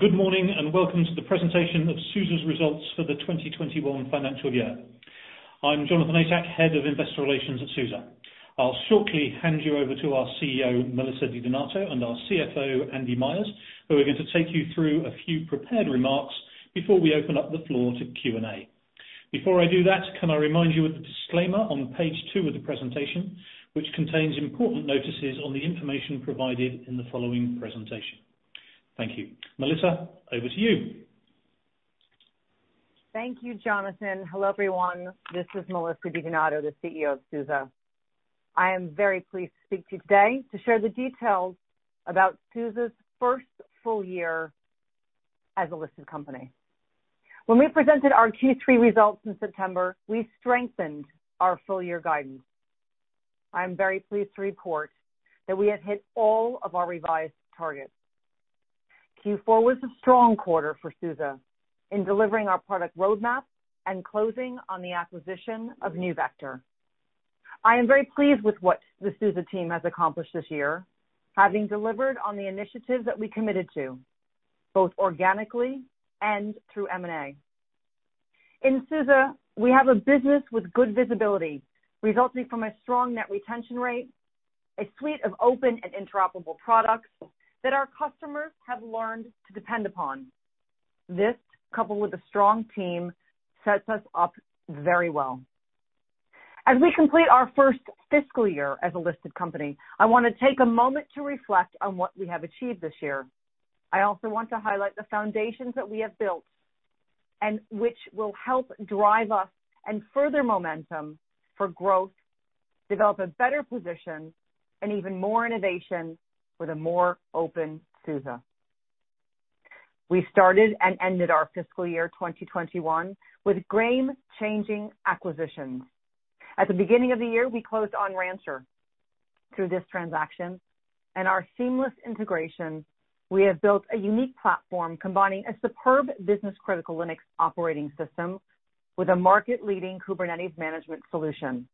Good morning, and welcome to the presentation of SUSE's results for the 2021 Financial Year. I'm Jonathan Atack, Head of Investor Relations at SUSE. I'll shortly hand you over to our CEO, Melissa Di Donato, and our CFO, Andy Myers, who are going to take you through a few prepared remarks before we open up the floor to Q&A. Before I do that, can I remind you of the disclaimer on page two of the presentation, which contains important notices on the information provided in the presentation. Thank you. Melissa, over to you. Thank you, Jonathan. Hello, everyone. This is Melissa Di Donato, the CEO of SUSE. I am very pleased to speak to you today to share the details about SUSE's first full-year as a listed company. When we presented our Q3 results in September, we strengthened our full-year guidance. I am very pleased to report that we have hit all of our revised targets. Q4 was a strong quarter for SUSE in delivering our product roadmap and closing on the acquisition of NeuVector. I am very pleased with what the SUSE team has accomplished this year, having delivered on the initiatives that we committed to, both organically and through M&A. In SUSE, we have a business with good visibility, resulting from a strong net retention rate, a suite of open and interoperable products that our customers have learned to depend upon. This, coupled with a strong team, sets us up very well. As we complete our first fiscal year as a listed company, I wanna take a moment to reflect on what we have achieved this year. I also want to highlight the foundations that we have built and which will help drive us and further momentum for growth, develop a better position and even more innovation with a more open SUSE. We started and ended our fiscal year 2021 with game-changing acquisitions. At the beginning of the year, we closed on Rancher. Through this transaction and our seamless integration, we have built a unique platform combining a superb business-critical Linux operating system with a market-leading Kubernetes management solution.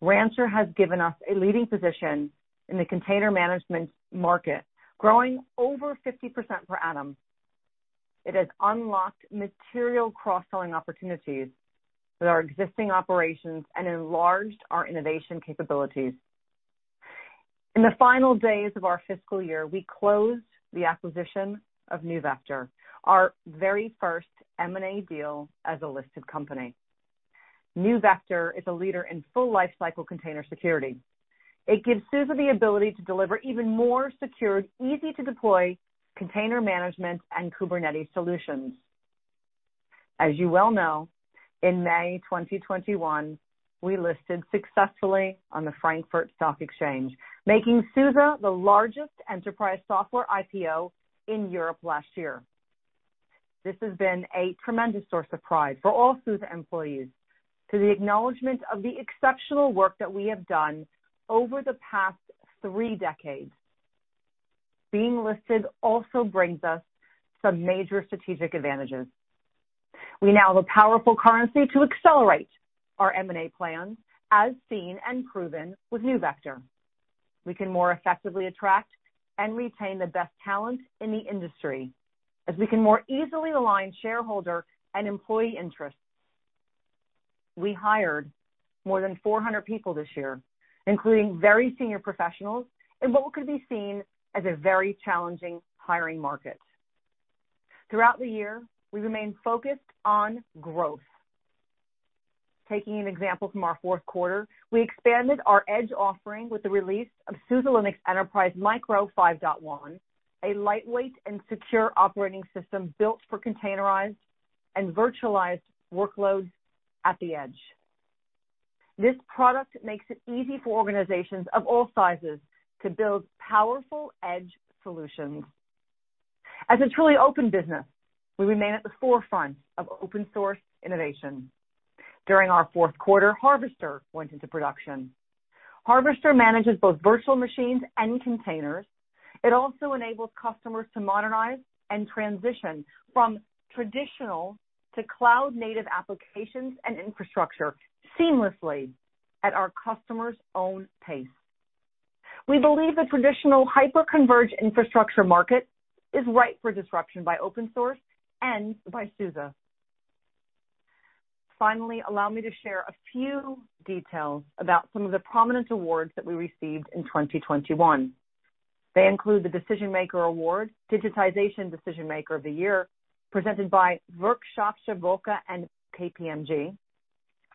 Rancher has given us a leading position in the container management market, growing over 50% per annum. It has unlocked material cross-selling opportunities with our existing operations and enlarged our innovation capabilities. In the final days of our fiscal year, we closed the acquisition of NeuVector, our very first M&A deal as a listed company. NeuVector is a leader in full lifecycle container security. It gives SUSE the ability to deliver even more secure, easy-to-deploy container management and Kubernetes solutions. As you well know, in May 2021, we successfully listed on the Frankfurt Stock Exchange, making SUSE the largest enterprise software IPO in Europe last year. This has been a tremendous source of pride for all SUSE employees to the acknowledgement of the exceptional work that we have done over the past three decades. Being listed also brings us some major strategic advantages. We now have a powerful currency to accelerate our M&A plans, as seen and proven with NeuVector. We can more effectively attract and retain the best talent in the industry, as we can more easily align shareholder and employee interests. We hired more than 400 people this year, including very senior professionals, in what could be seen as a very challenging hiring market. Throughout the year, we remained focused on growth. Taking an example from our Q4, we expanded our edge offering with the release of SUSE Linux Enterprise Micro 5.1, a lightweight and secure operating system built for containerized and virtualized workloads at the edge. This product makes it easy for organizations of all sizes to build powerful edge solutions. As a truly open business, we remain at the forefront of open source innovation. During our Q4, Harvester went into production. Harvester manages both virtual machines and containers. It also enables customers to modernize and transition from traditional to cloud-native applications and infrastructure seamlessly at our customers' own pace. We believe the traditional hyper-converged infrastructure market is ripe for disruption by open source and by SUSE. Finally, allow me to share a few details about some of the prominent awards that we received in 2021. They include the Decision Maker Award, Digitization Decision Maker of the Year, presented by WirtschaftsWoche and KPMG,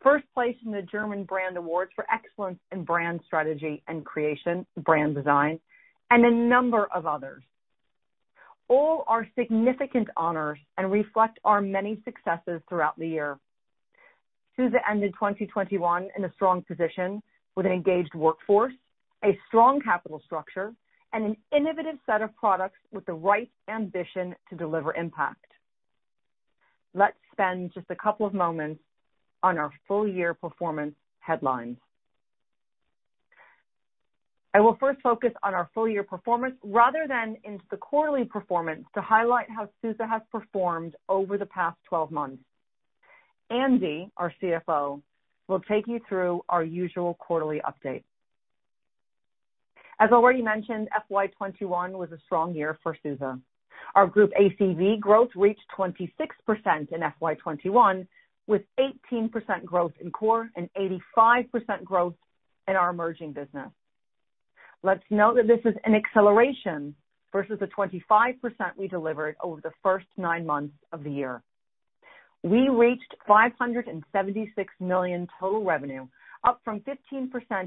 first place in the German Brand Award for excellence in brand strategy and creation, brand design, and a number of others. All are significant honors and reflect our many successes throughout the year. SUSE ended 2021 in a strong position with an engaged workforce, a strong capital structure, and an innovative set of products with the right ambition to deliver impact. Let's spend just a couple of moments on our full-year performance headlines. I will first focus on our full-year performance rather than into the quarterly performance to highlight how SUSE has performed over the past 12 months. Andy, our CFO, will take you through our usual quarterly update. As already mentioned, FY 2021 was a strong year for SUSE. Our group ACV growth reached 26% in FY 2021, with 18% growth in core and 85% growth in our emerging business. Let's note that this is an acceleration versus the 25% we delivered over the first nine months of the year. We reached 576 million total revenue, up 15%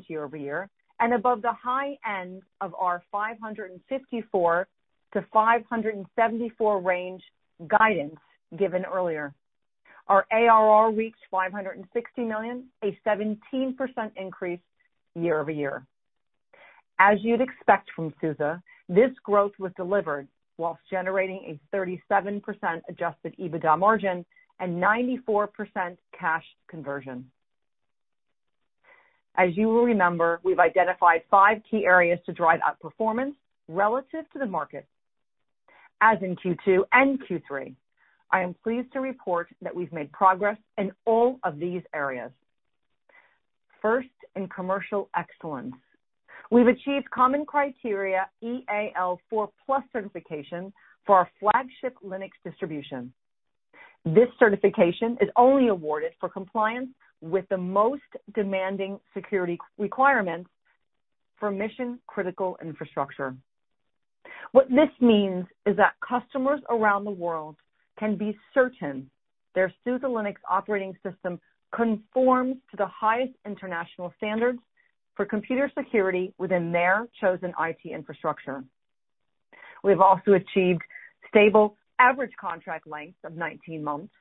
year-over-year and above the high end of our 554-574 range guidance given earlier. Our ARR reached 560 million, a 17% increase year-over-year. As you'd expect from SUSE, this growth was delivered while generating a 37% adjusted EBITDA margin and 94% cash conversion. As you will remember, we've identified five key areas to drive out performance relative to the market. As in Q2 and Q3, I am pleased to report that we've made progress in all of these areas. First, in commercial excellence. We've achieved common criteria EAL4+ certification for our flagship Linux distribution. This certification is only awarded for compliance with the most demanding security requirements for mission-critical infrastructure. What this means is that customers around the world can be certain their SUSE Linux operating system conforms to the highest international standards for computer security within their chosen IT infrastructure. We've also achieved stable average contract length of 19 months,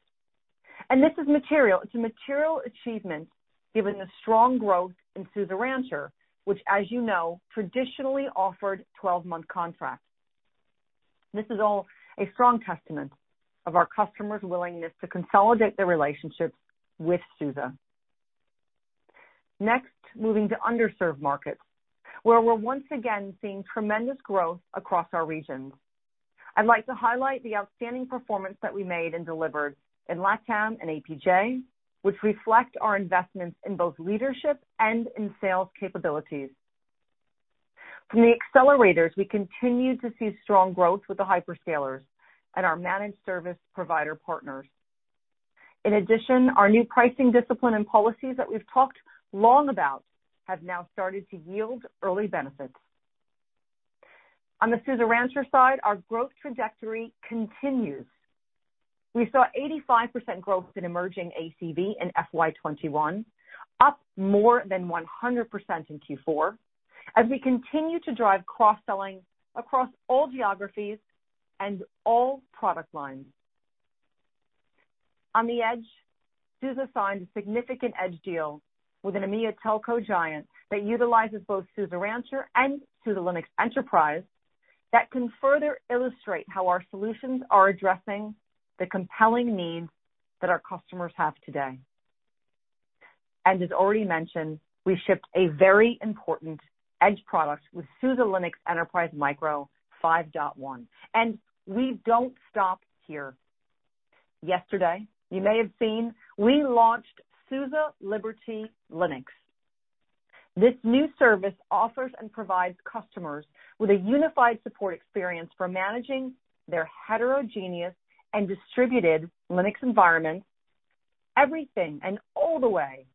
and this is material. It's a material achievement given the strong growth in SUSE Rancher, which as you know, traditionally offered 12-month contracts. This is all a strong testament of our customers' willingness to consolidate their relationships with SUSE. Next, moving to underserved markets, where we're once again seeing tremendous growth across our regions. I'd like to highlight the outstanding performance that we made and delivered in LatAm and APJ, which reflect our investments in both leadership and in sales capabilities. From the accelerators, we continue to see strong growth with the hyperscalers and our managed service provider partners. In addition, our new pricing discipline and policies that we've talked long about have now started to yield early benefits. On the SUSE Rancher side, our growth trajectory continues. We saw 85% growth in emerging ACV in FY 2021, up more than 100% in Q4, as we continue to drive cross-selling across all geographies and all product lines. On the edge, SUSE signed a significant edge deal with an EMEA telco giant that utilizes both SUSE Rancher and SUSE Linux Enterprise that can further illustrate how our solutions are addressing the compelling needs that our customers have today. As already mentioned, we shipped a very important edge product with SUSE Linux Enterprise Micro 5.1. We don't stop here. Yesterday, you may have seen, we launched SUSE Liberty Linux. This new service offers and provides customers with a unified support experience for managing their heterogeneous and distributed Linux environments, everything and all the way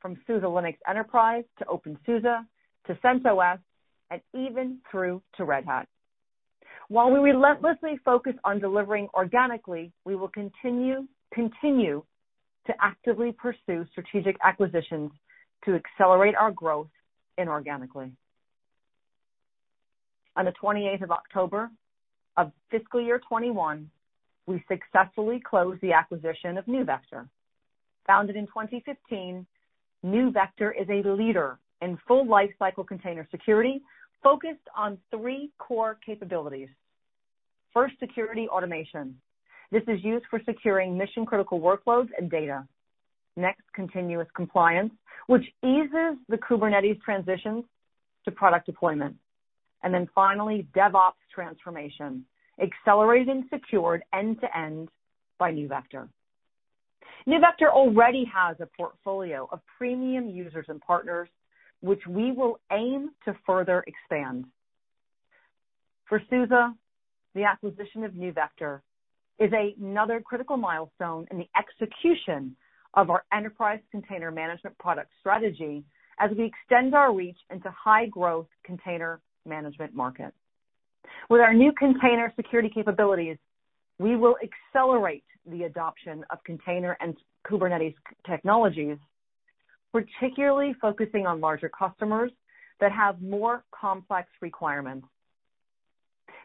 from SUSE Linux Enterprise to openSUSE to CentOS, and even through to Red Hat. While we relentlessly focus on delivering organically, we will continue to actively pursue strategic acquisitions to accelerate our growth inorganically. On the 28th of October of Fiscal Year 2021, we successfully closed the acquisition of NeuVector. Founded in 2015, NeuVector is a leader in full lifecycle container security focused on three core capabilities. First, security automation. This is used for securing mission-critical workloads and data. Next, continuous compliance, which eases the Kubernetes transitions to product deployment. And then finally, DevOps transformation, accelerating secured end-to-end by NeuVector. NeuVector already has a portfolio of premium users and partners, which we will aim to further expand. For SUSE, the acquisition of NeuVector is another critical milestone in the execution of our enterprise container management product strategy as we extend our reach into high-growth container management market. With our new container security capabilities, we will accelerate the adoption of container and Kubernetes technologies, particularly focusing on larger customers that have more complex requirements.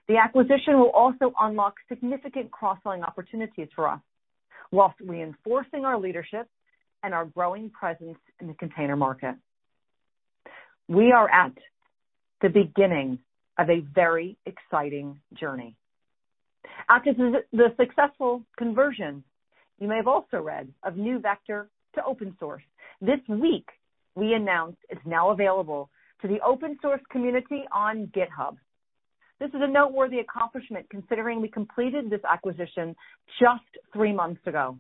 The acquisition will also unlock significant cross-selling opportunities for us, whilst reinforcing our leadership and our growing presence in the container market. We are at the beginning of a very exciting journey. After the successful conversion, you may have also read of NeuVector to open source. This week, we announced it's now available to the open-source community on GitHub. This is a noteworthy accomplishment considering we completed this acquisition just three months ago.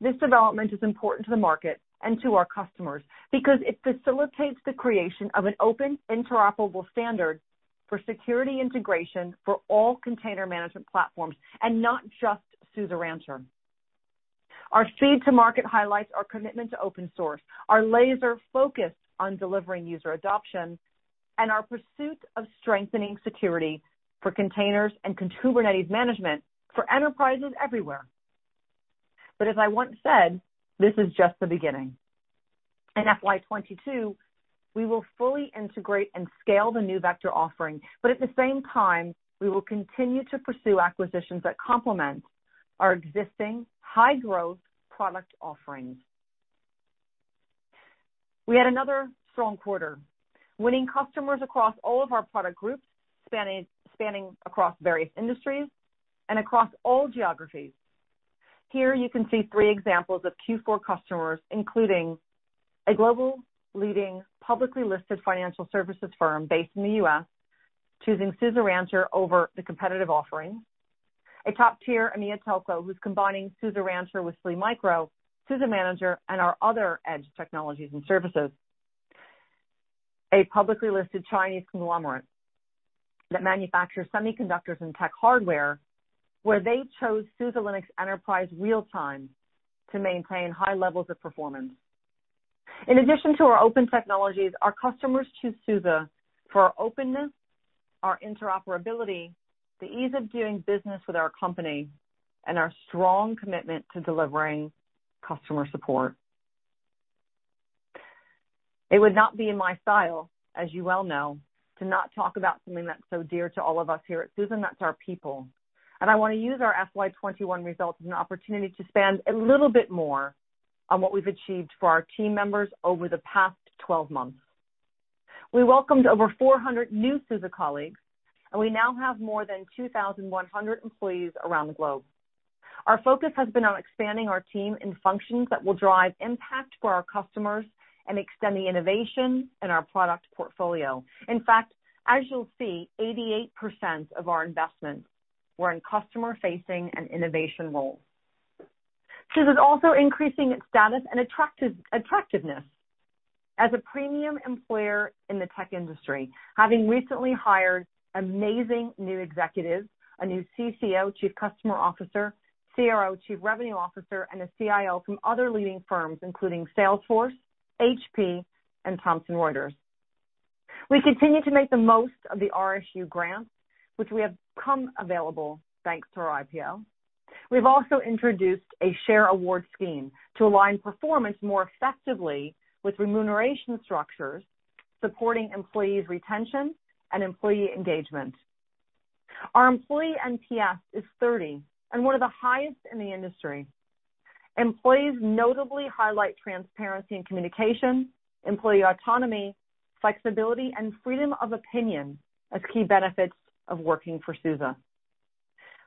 This development is important to the market and to our customers because it facilitates the creation of an open interoperable standard for security integration for all container management platforms and not just SUSE Rancher. Our speed to market highlights our commitment to open source, our laser focus on delivering user adoption, and our pursuit of strengthening security for containers and Kubernetes management for enterprises everywhere. As I once said, this is just the beginning. In FY 2022, we will fully integrate and scale the NeuVector offering, but at the same time, we will continue to pursue acquisitions that complement our existing high-growth product offerings. We had another strong quarter, winning customers across all of our product groups, spanning across various industries and across all geographies. Here you can see three examples of Q4 customers, including a global leading publicly listed financial services firm based in the U.S., choosing SUSE Rancher over the competitive offering. A top-tier EMEA telco who's combining SUSE Rancher with SLE Micro, SUSE Manager, and our other edge technologies and services. A publicly listed Chinese conglomerate that manufactures semiconductors and tech hardware, where they chose SUSE Linux Enterprise Real Time to maintain high levels of performance. In addition to our open technologies, our customers choose SUSE for our openness, our interoperability, the ease of doing business with our company, and our strong commitment to delivering customer support. It would not be in my style, as you well know, to not talk about something that's so dear to all of us here at SUSE, and that's our people. I want to use our FY 2021 results as an opportunity to spend a little bit more on what we've achieved for our team members over the past 12 months. We welcomed over 400 new SUSE colleagues, and we now have more than 2,100 employees around the globe. Our focus has been on expanding our team in functions that will drive impact for our customers and extend the innovation in our product portfolio. In fact, as you'll see, 88% of our investments were in customer-facing and innovation roles. SUSE is also increasing its status and attractiveness as a premium employer in the tech industry, having recently hired amazing new executives, a new CCO, Chief Customer Officer, CRO, Chief Revenue Officer, and a CIO from other leading firms, including Salesforce, HP, and Thomson Reuters. We continue to make the most of the RSU grants, which have become available thanks to our IPO. We've also introduced a share award scheme to align performance more effectively with remuneration structures, supporting employees' retention and employee engagement. Our employee NPS is 30, and one of the highest in the industry. Employees notably highlight transparency and communication, employee autonomy, flexibility, and freedom of opinion as key benefits of working for SUSE.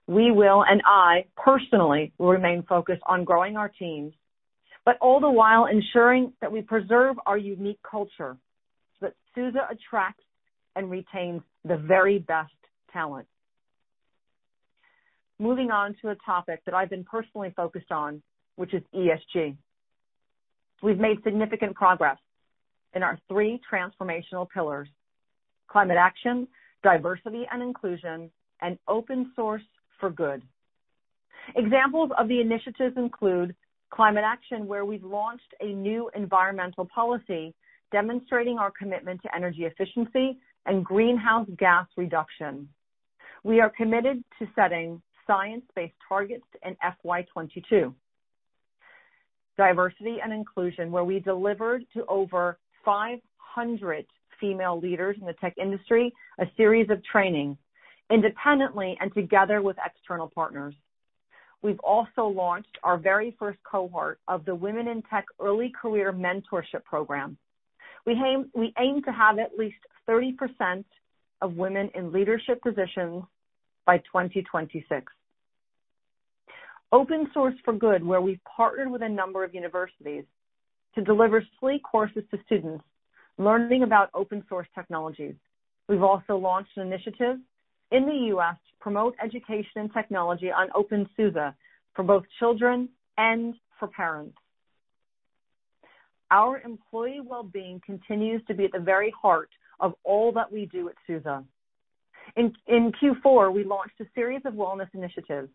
We will, and I personally will remain focused on growing our teams, but all the while ensuring that we preserve our unique culture, so that SUSE attracts and retains the very best talent. Moving on to a topic that I've been personally focused on, which is ESG. We've made significant progress in our three transformational pillars: climate action, diversity and inclusion, and open source for good. Examples of the initiatives include climate action, where we've launched a new environmental policy demonstrating our commitment to energy efficiency and greenhouse gas reduction. We are committed to setting science-based targets in FY 2022. Diversity and inclusion, where we delivered to over 500 female leaders in the tech industry, a series of training independently and together with external partners. We've also launched our very first cohort of the Women in Tech Early Career Mentorship program. We aim to have at least 30% of women in leadership positions by 2026. Open Source for Good, where we've partnered with a number of universities to deliver SLE courses to students learning about open source technologies. We've also launched an initiative in the U.S. to promote education and technology on openSUSE for both children and for parents. Our employee well-being continues to be at the very heart of all that we do at SUSE. In Q4, we launched a series of wellness initiatives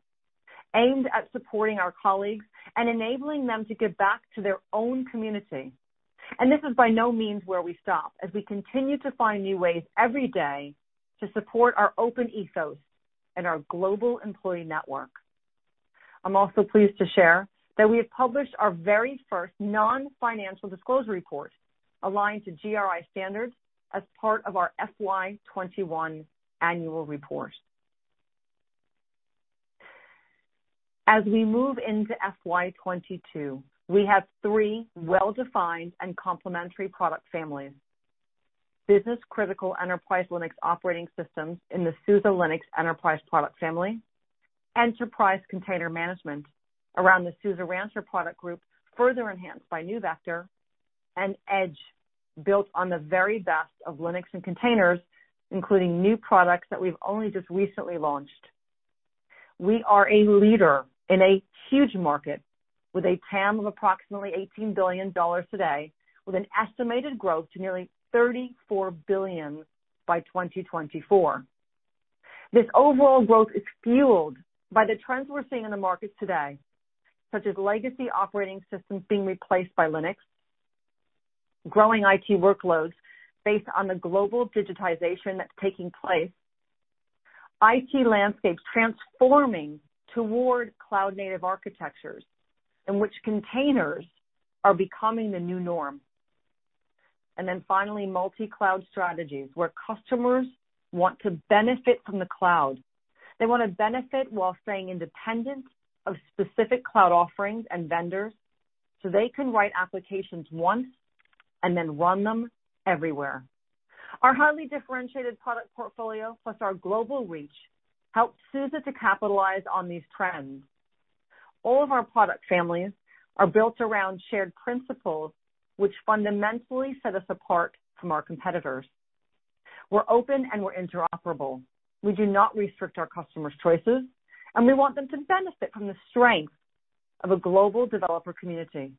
aimed at supporting our colleagues and enabling them to give back to their own community. This is by no means where we stop, as we continue to find new ways every day to support our open ethos and our global employee network. I'm also pleased to share that we have published our very first non-financial disclosure report, aligned to GRI standards as part of our FY 2021 annual report. As we move into FY 2022, we have three well-defined and complementary product families. Business-critical enterprise Linux operating systems in the SUSE Linux Enterprise product family, enterprise container management around the SUSE Rancher product group, further enhanced by NeuVector. Edge built on the very best of Linux and containers, including new products that we've only just recently launched. We are a leader in a huge market with a TAM of approximately $18 billion today, with an estimated growth to nearly $34 billion by 2024. This overall growth is fueled by the trends we're seeing in the market today, such as legacy operating systems being replaced by Linux, growing IT workloads based on the global digitization that's taking place, IT landscapes transforming toward cloud-native architectures in which containers are becoming the new norm. Finally, multi-cloud strategies where customers want to benefit from the cloud. They wanna benefit while staying independent of specific cloud offerings and vendors, so they can write applications once and then run them everywhere. Our highly differentiated product portfolio plus our global reach helps SUSE to capitalize on these trends. All of our product families are built around shared principles which fundamentally set us apart from our competitors. We're open and we're interoperable. We do not restrict our customers' choices, and we want them to benefit from the strength of a global developer community.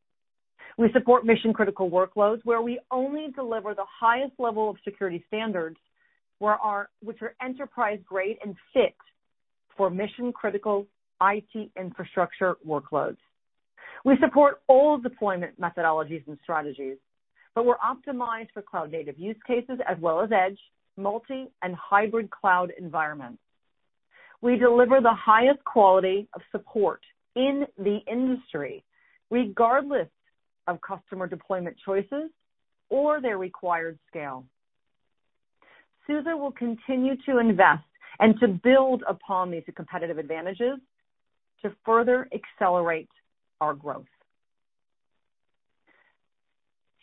We support mission-critical workloads where we only deliver the highest level of security standards, which are enterprise-grade and fit for mission-critical IT infrastructure workloads. We support all deployment methodologies and strategies, but we're optimized for cloud-native use cases as well as edge, multi, and hybrid cloud environments. We deliver the highest quality of support in the industry, regardless of customer deployment choices or their required scale. SUSE will continue to invest and to build upon these competitive advantages to further accelerate our growth.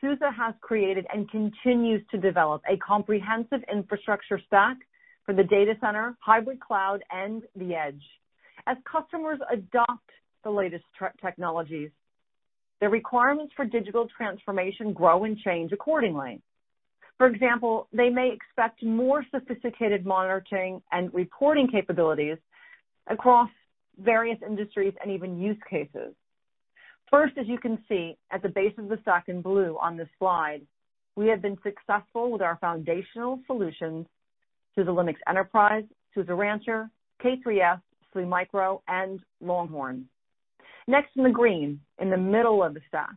SUSE has created and continues to develop a comprehensive infrastructure stack for the data center, hybrid cloud, and the edge. As customers adopt the latest tech, technologies, their requirements for digital transformation grow and change accordingly. For example, they may expect more sophisticated monitoring and reporting capabilities across various industries and even use cases. First, as you can see at the base of the stack in blue on this slide, we have been successful with our foundational solutions, SUSE Linux Enterprise, SUSE Rancher, K3s, SLE Micro, and Longhorn. Next in the green, in the middle of the stack,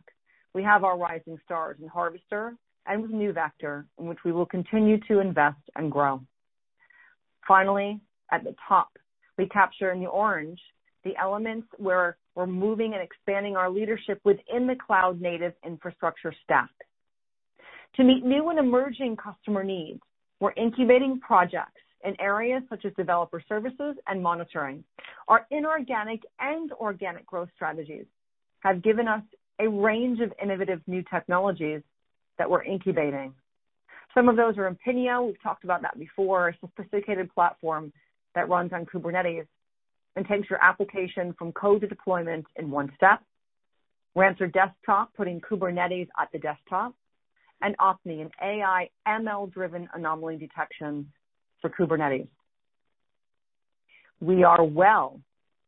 we have our rising stars in Harvester and with NeuVector, in which we will continue to invest and grow. Finally, at the top, we capture in the orange the elements where we're moving and expanding our leadership within the cloud-native infrastructure stack. To meet new and emerging customer needs, we're incubating projects in areas such as developer services and monitoring. Our inorganic and organic growth strategies have given us a range of innovative new technologies that we're incubating. Some of those are Epinio, we've talked about that before, a sophisticated platform that runs on Kubernetes and takes your application from code to deployment in one step. Rancher Desktop, putting Kubernetes at the desktop. And Opni, an AI/ML-driven anomaly detection for Kubernetes. We are well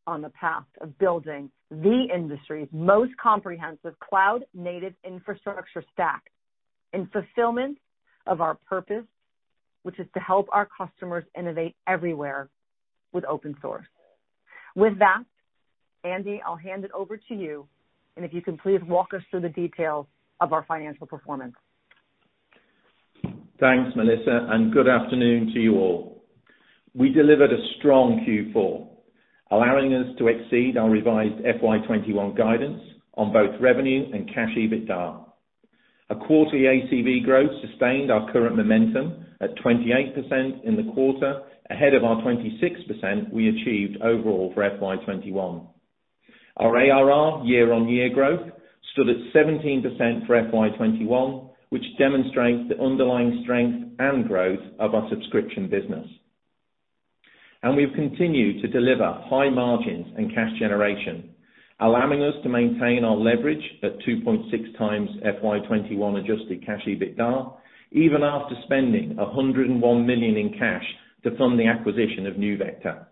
on the path of building the industry's most comprehensive cloud-native infrastructure stack in fulfillment of our purpose, which is to help our customers innovate everywhere with open source. With that, Andy, I'll hand it over to you, and if you can please walk us through the details of our financial performance. Thanks, Melissa, and good afternoon to you all. We delivered a strong Q4, allowing us to exceed our revised FY 2021 guidance on both revenue and cash EBITDA. A quarterly ACV growth sustained our current momentum at 28% in the quarter ahead of our 26% we achieved overall for FY 2021. Our ARR year-on-year growth stood at 17% for FY 2021, which demonstrates the underlying strength and growth of our subscription business. We've continued to deliver high margins and cash generation, allowing us to maintain our leverage at 2.6 times FY 2021 adjusted cash EBITDA, even after spending 101 million in cash to fund the acquisition of NeuVector.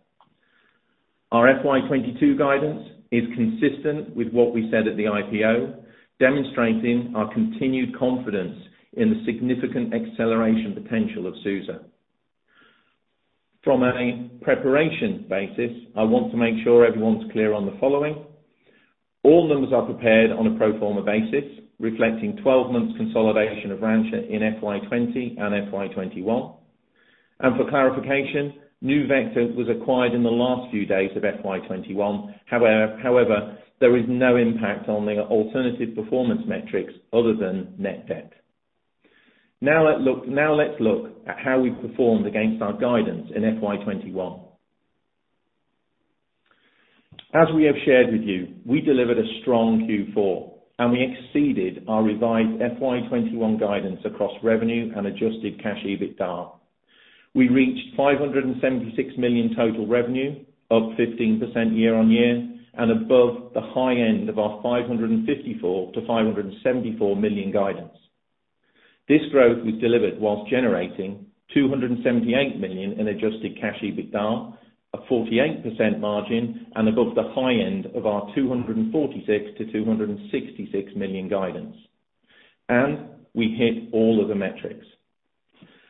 Our FY 2022 guidance is consistent with what we said at the IPO, demonstrating our continued confidence in the significant acceleration potential of SUSE. From a preparation basis, I want to make sure everyone's clear on the following. All numbers are prepared on a pro forma basis, reflecting 12 months consolidation of Rancher in FY 2020 and FY 2021. For clarification, NeuVector was acquired in the last few days of FY 2021. However, there is no impact on the alternative performance metrics other than net debt. Now let's look at how we performed against our guidance in FY 2021. As we have shared with you, we delivered a strong Q4, and we exceeded our revised FY 2021 guidance across revenue and adjusted cash EBITDA. We reached 576 million total revenue, up 15% year-on-year, and above the high end of our 554 million-574 million guidance. This growth was delivered while generating 278 million in adjusted cash EBITDA, a 48% margin, and above the high end of our 246 million-266 million guidance. We hit all of the metrics.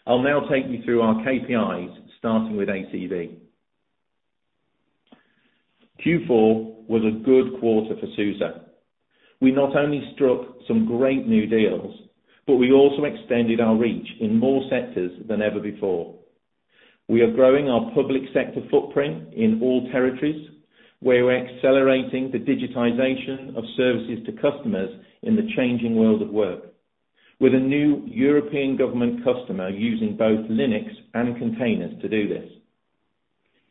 I'll now take you through our KPIs, starting with ACV. Q4 was a good quarter for SUSE. We not only struck some great new deals, but we also extended our reach in more sectors than ever before. We are growing our public sector footprint in all territories, where we're accelerating the digitization of services to customers in the changing world of work. With a new European government customer using both Linux and containers to do this.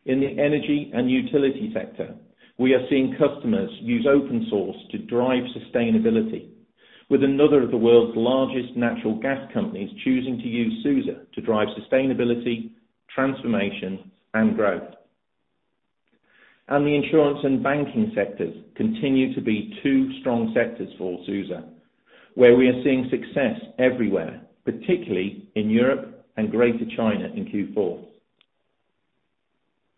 In the energy and utility sector, we are seeing customers use open source to drive sustainability, with another of the world's largest natural gas companies choosing to use SUSE to drive sustainability, transformation, and growth. The insurance and banking sectors continue to be two strong sectors for SUSE, where we are seeing success everywhere, particularly in Europe and Greater China in Q4.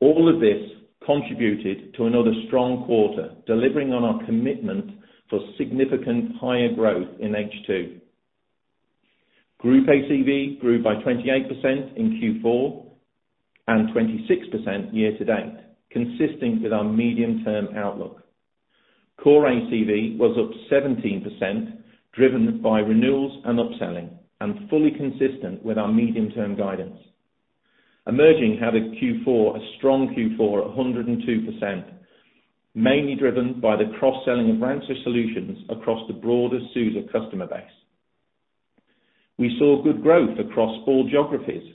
All of this contributed to another strong quarter, delivering on our commitment to significantly higher growth in H2. Group ACV grew by 28% in Q4, and 26% year to date, consistent with our medium-term outlook. Core ACV was up 17%, driven by renewals and upselling, and fully consistent with our medium-term guidance. Emerging had a strong Q4, 102%, mainly driven by the cross-selling of Rancher solutions across the broader SUSE customer base. We saw good growth across all geographies.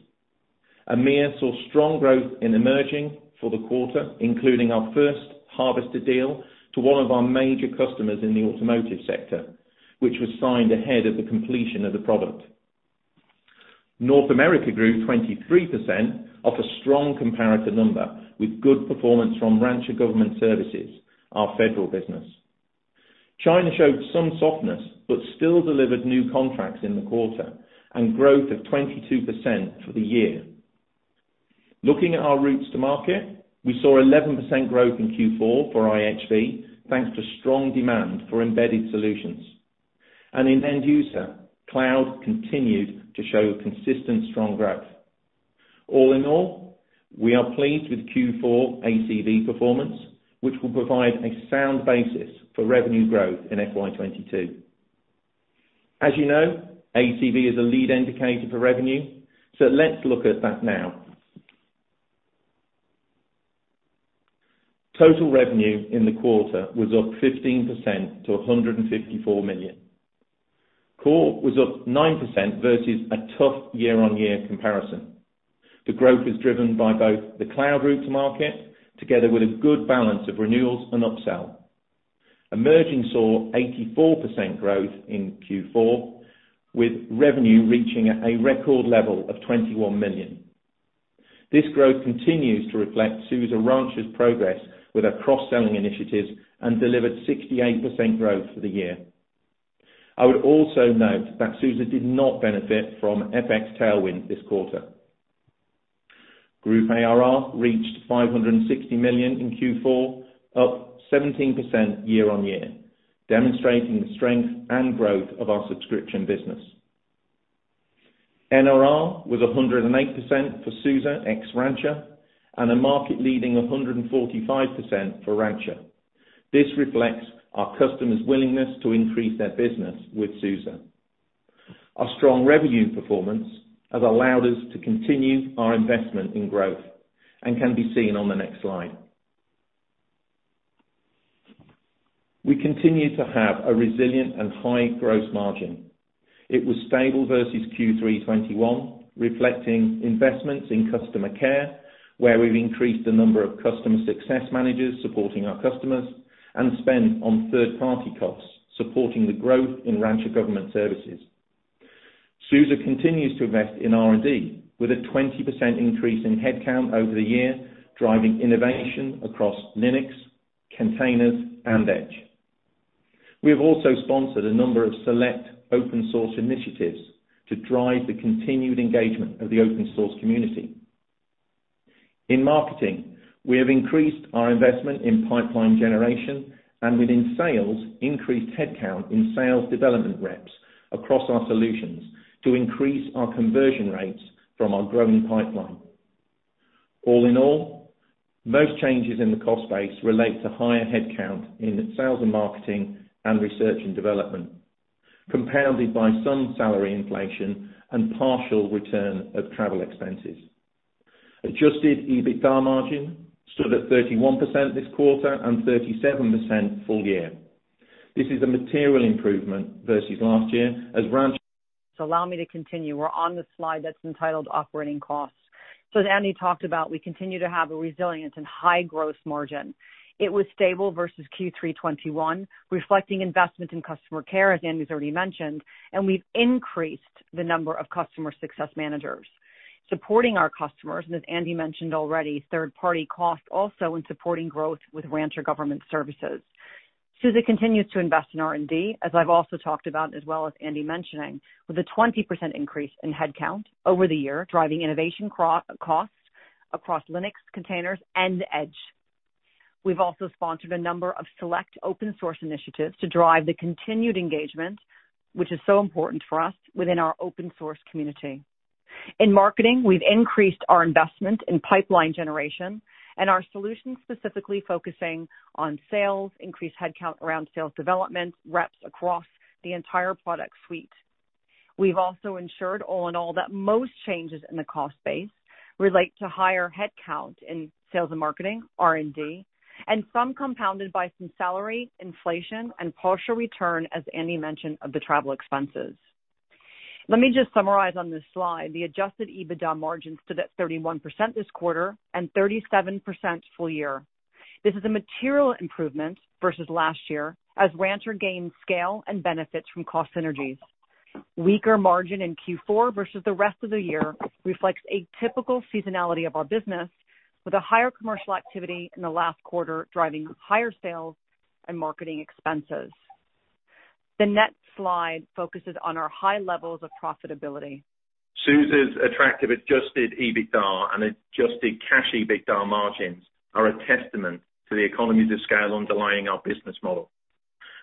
EMEA saw strong growth in emerging for the quarter, including our first Harvester deal to one of our major customers in the automotive sector, which was signed ahead of the completion of the product. North America grew 23% off a strong comparator number with good performance from Rancher Government Solutions, our federal business. China showed some softness, but still delivered new contracts in the quarter and growth of 22% for the year. Looking at our routes to market, we saw 11% growth in Q4 for IHV, thanks to strong demand for embedded solutions. In end user, cloud continued to show consistent strong growth. All in all, we are pleased with Q4 ACV performance, which will provide a sound basis for revenue growth in FY 2022. As you know, ACV is a lead indicator for revenue, so let's look at that now. Total revenue in the quarter was up 15% to 154 million. Core was up 9% versus a tough year-on-year comparison. The growth is driven by both the cloud route to market together with a good balance of renewals and upsell. Emerging saw 84% growth in Q4, with revenue reaching a record level of 21 million. This growth continues to reflect SUSE Rancher's progress with our cross-selling initiatives and delivered 68% growth for the year. I would also note that SUSE did not benefit from FX tailwind this quarter. Group ARR reached 560 million in Q4, up 17% year-on-year, demonstrating the strength and growth of our subscription business. NRR was 108% for SUSE ex Rancher, and a market leading 145% for Rancher. This reflects our customers' willingness to increase their business with SUSE. Our strong revenue performance has allowed us to continue our investment in growth and can be seen on the next slide. We continue to have a resilient and high gross margin. It was stable versus Q3 2021, reflecting investments in customer care, where we've increased the number of customer success managers supporting our customers and spend on third-party costs, supporting the growth in Rancher Government Solutions. SUSE continues to invest in R&D with a 20% increase in headcount over the year, driving innovation across Linux, containers, and Edge. We have also sponsored a number of select open source initiatives to drive the continued engagement of the open source community. In marketing, we have increased our investment in pipeline generation and within sales, increased headcount in sales development reps across our solutions to increase our conversion rates from our growing pipeline. All in all, most changes in the cost base relate to higher headcount in sales and marketing and research and development, compounded by some salary inflation and partial return of travel expenses. Adjusted EBITDA margin stood at 31% this quarter and 37% full-year. This is a material improvement versus last year as Rancher Allow me to continue. We're on the slide that's entitled Operating Costs. As Andy talked about, we continue to have a resilient and high gross margin. It was stable versus Q3 2021, reflecting investment in customer care, as Andy's already mentioned, and we've increased the number of customer success managers supporting our customers, and as Andy mentioned already, third-party costs also in supporting growth with Rancher Government Solutions. SUSE continues to invest in R&D, as I've also talked about, as well as Andy mentioning, with a 20% increase in head count over the year, driving innovation costs across Linux, containers, and Edge. We've also sponsored a number of select open source initiatives to drive the continued engagement, which is so important for us within our open source community. In marketing, we've increased our investment in pipeline generation and our solutions, specifically focusing on sales, increased head count around sales development, reps across the entire product suite. We've also ensured, all in all, that most changes in the cost base relate to higher head count in sales and marketing, R&D, and some compounded by some salary inflation and partial return, as Andy mentioned, of the travel expenses. Let me just summarize on this slide. The adjusted EBITDA margins stood at 31% this quarter and 37% at full-year. This is a material improvement versus last year as Rancher gained scale and benefits from cost synergies. Weaker margin in Q4 versus the rest of the year reflects a typical seasonality of our business, with a higher commercial activity in the last quarter, driving higher sales and marketing expenses. The next slide focuses on our high levels of profitability. SUSE's attractive adjusted EBITDA and adjusted cash EBITDA margins are a testament to the economies of scale underlying our business model.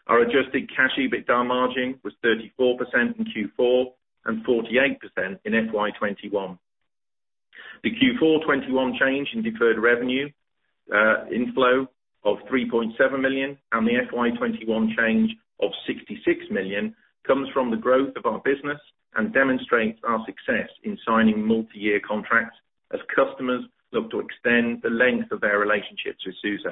Our adjusted cash EBITDA margin was 34% in Q4 and 48% in FY 2021. The Q4 2021 change in deferred revenue, inflow of 3.7 million and the FY 2021 change of 66 million comes from the growth of our business and demonstrates our success in signing multi-year contracts as customers look to extend the length of their relationships with SUSE.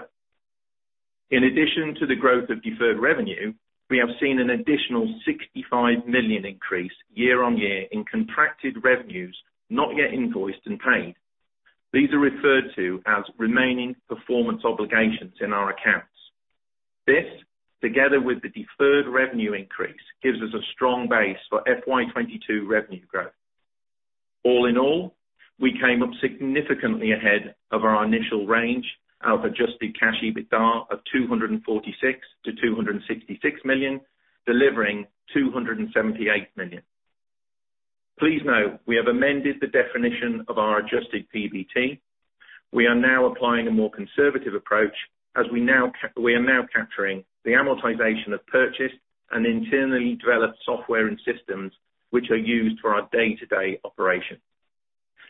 In addition to the growth of deferred revenue, we have seen an additional 65 million increase year on year in contracted revenues not yet invoiced and paid. These are referred to as remaining performance obligations in our accounts. This, together with the deferred revenue increase, gives us a strong base for FY 2022 revenue growth. All in all, we came up significantly ahead of our initial range, our adjusted cash EBITDA of 246 million-266 million, delivering 278 million. Please note, we have amended the definition of our adjusted PBT. We are now applying a more conservative approach as we are now capturing the amortization of purchased and internally developed software and systems which are used for our day-to-day operations.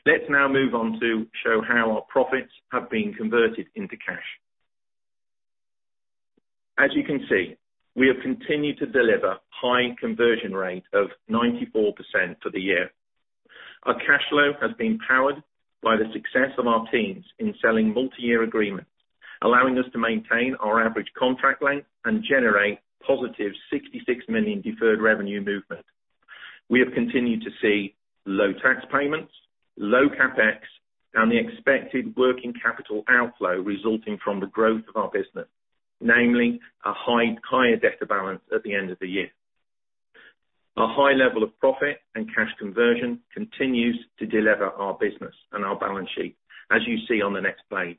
Let's now move on to show how our profits have been converted into cash. As you can see, we have continued to deliver high conversion rate of 94% for the year. Our cash flow has been powered by the success of our teams in selling multi-year agreements, allowing us to maintain our average contract length and generate positive 66 million deferred revenue movement. We have continued to see low tax payments, low CapEx, and the expected working capital outflow resulting from the growth of our business, namely a higher debtor balance at the end of the year. Our high level of profit and cash conversion continues to delever our business and our balance sheet, as you see on the next page.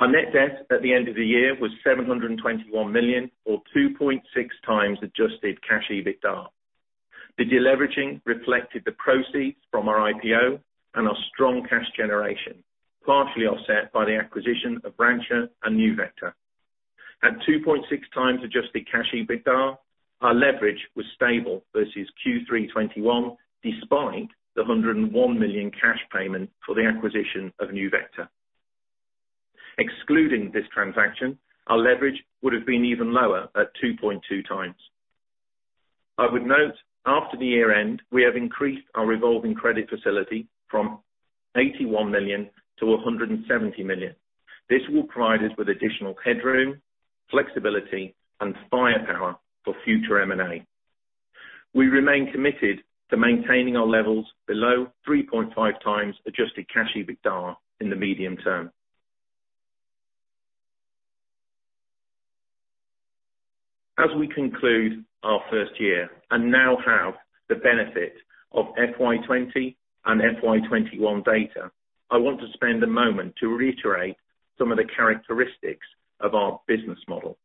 Our net debt at the end of the year was 721 million or 2.6x adjusted cash EBITDA. The deleveraging reflected the proceeds from our IPO and our strong cash generation, partially offset by the acquisition of Rancher and NeuVector. At 2.6x adjusted cash EBITDA, our leverage was stable versus Q3 2021, despite the 101 million cash payment for the acquisition of NeuVector. Excluding this transaction, our leverage would have been even lower at 2.2x. I would note, after the year end, we have increased our revolving credit facility from 81 million to 170 million. This will provide us with additional headroom, flexibility, and firepower for future M&A. We remain committed to maintaining our levels below 3.5 times adjusted cash EBITDA in the medium term. As we conclude our first year and now have the benefit of FY 2020 and FY 2021 data, I want to spend a moment to reiterate some of the characteristics of our business model.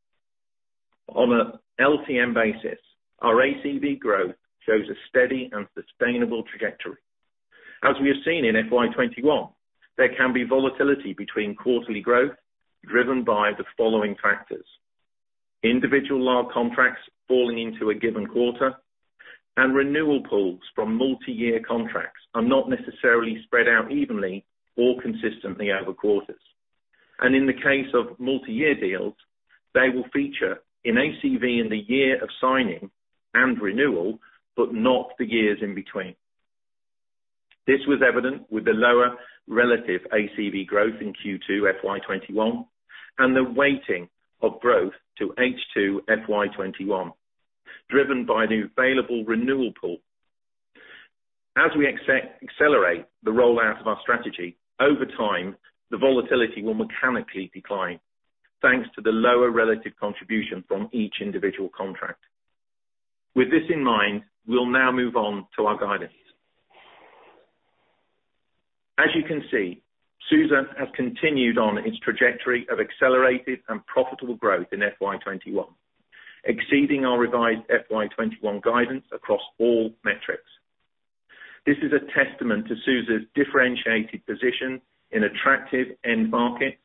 On a LTM basis, our ACV growth shows a steady and sustainable trajectory. As we have seen in FY 2021, there can be volatility between quarterly growth driven by the following factors: individual large contracts falling into a given quarter and renewal pools from multi-year contracts are not necessarily spread out evenly or consistently over quarters. In the case of multi-year deals, they will feature an ACV in the year of signing and renewal, but not the years in between. This was evident with the lower relative ACV growth in Q2 FY 2021 and the weighting of growth to H2 FY 2021, driven by the available renewal pool. As we accelerate the rollout of our strategy over time, the volatility will mechanically decline, thanks to the lower relative contribution from each individual contract. With this in mind, we'll now move on to our guidance. As you can see, SUSE has continued on its trajectory of accelerated and profitable growth in FY 2021, exceeding our revised FY 2021 guidance across all metrics. This is a testament to SUSE's differentiated position in attractive end markets,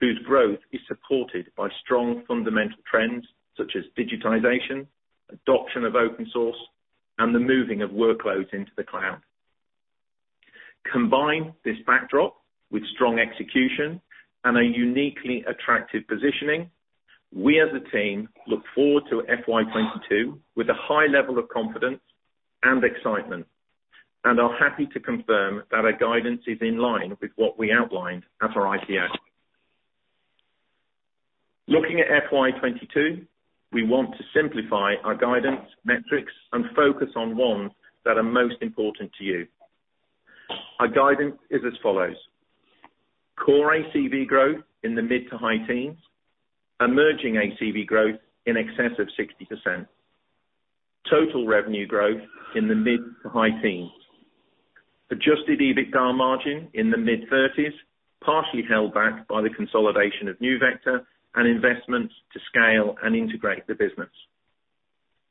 whose growth is supported by strong fundamental trends such as digitization, adoption of open source, and the moving of workloads into the cloud. Combine this backdrop with strong execution and a uniquely attractive positioning. We as a team look forward to FY 2022 with a high level of confidence and excitement, and are happy to confirm that our guidance is in line with what we outlined at our IPO. Looking at FY 2022, we want to simplify our guidance metrics and focus on ones that are most important to you. Our guidance is as follows: Core ACV growth in the mid- to high teens%. Emerging ACV growth in excess of 60%. Total revenue growth in the mid- to high teens%. Adjusted EBITDA margin in the mid-30s%, partially held back by the consolidation of NeuVector and investments to scale and integrate the business.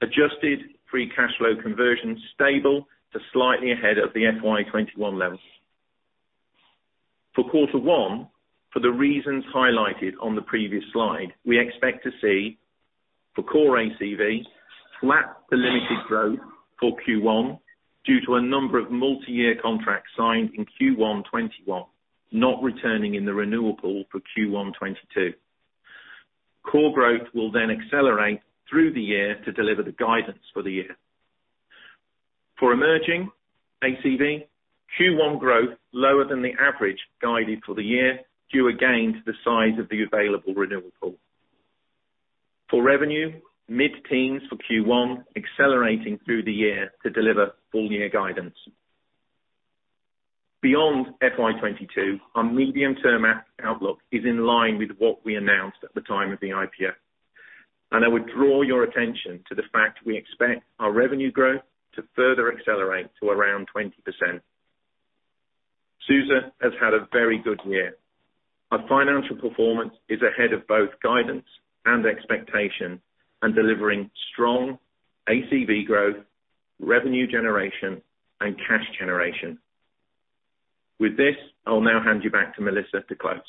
Adjusted free cash flow conversion stable to slightly ahead of the FY 2021 levels. For Q1, for the reasons highlighted on the previous slide, we expect to see for core ACV, flat to limited growth for Q1 due to a number of multi-year contracts signed in Q1 2021 not returning in the renewal pool for Q1 2022. Core growth will then accelerate through the year to deliver the guidance for the year. For emerging ACV, Q1 growth lower than the average guided for the year, due again to the size of the available renewal pool. For revenue, mid-teens for Q1, accelerating through the year to deliver full-year guidance. Beyond FY 2022, our medium-term outlook is in line with what we announced at the time of the IPO. I would draw your attention to the fact we expect our revenue growth to further accelerate to around 20%. SUSE has had a very good year. Our financial performance is ahead of both guidance and expectation and delivering strong ACV growth, revenue generation, and cash generation. With this, I'll now hand you back to Melissa to close.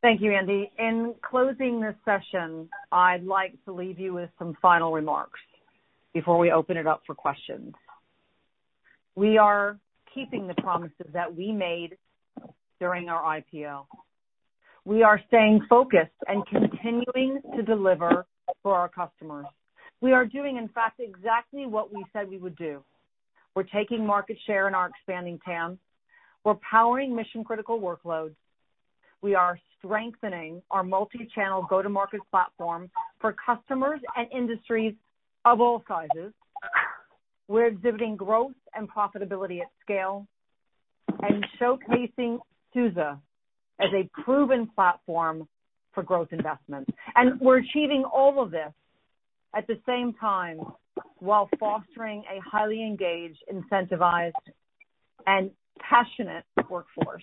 Thank you, Andy. In closing this session, I'd like to leave you with some final remarks before we open it up for questions. We are keeping the promises that we made during our IPO. We are staying focused and continuing to deliver for our customers. We are doing, in fact, exactly what we said we would do. We're taking market share in our expanding TAM. We're powering mission-critical workloads. We are strengthening our multi-channel go-to-market platform for customers and industries of all sizes. We're exhibiting growth and profitability at scale and showcasing SUSE as a proven platform for growth investment. We're achieving all of this at the same time while fostering a highly engaged, incentivized, and passionate workforce.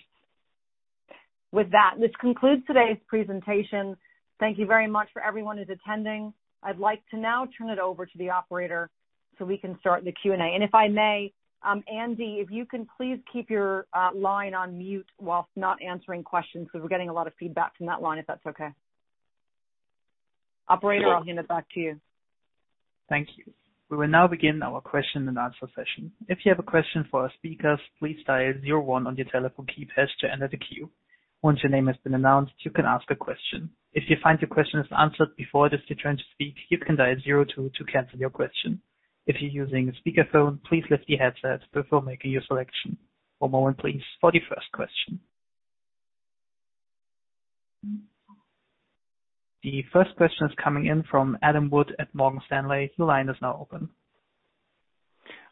With that, this concludes today's presentation. Thank you very much for everyone who's attending. I'd like to now turn it over to the operator so we can start the Q&A. If I may, Andy, if you can please keep your line on mute whilst not answering questions, because we're getting a lot of feedback from that line, if that's okay. Operator, I'll hand it back to you. Thank you. We will now begin our Q&A session. If you have a question for our speakers, please dial one on your telephone keypads to enter the queue. Once your name has been announced, you can ask a question. If you find your question is answered before it is your turn to speak, you can dial two to cancel your question. If you're using a speakerphone, please lift the headset before making your selection. One moment, please, for the first question. The first question is coming in from Adam Wood at Morgan Stanley. Your line is now open.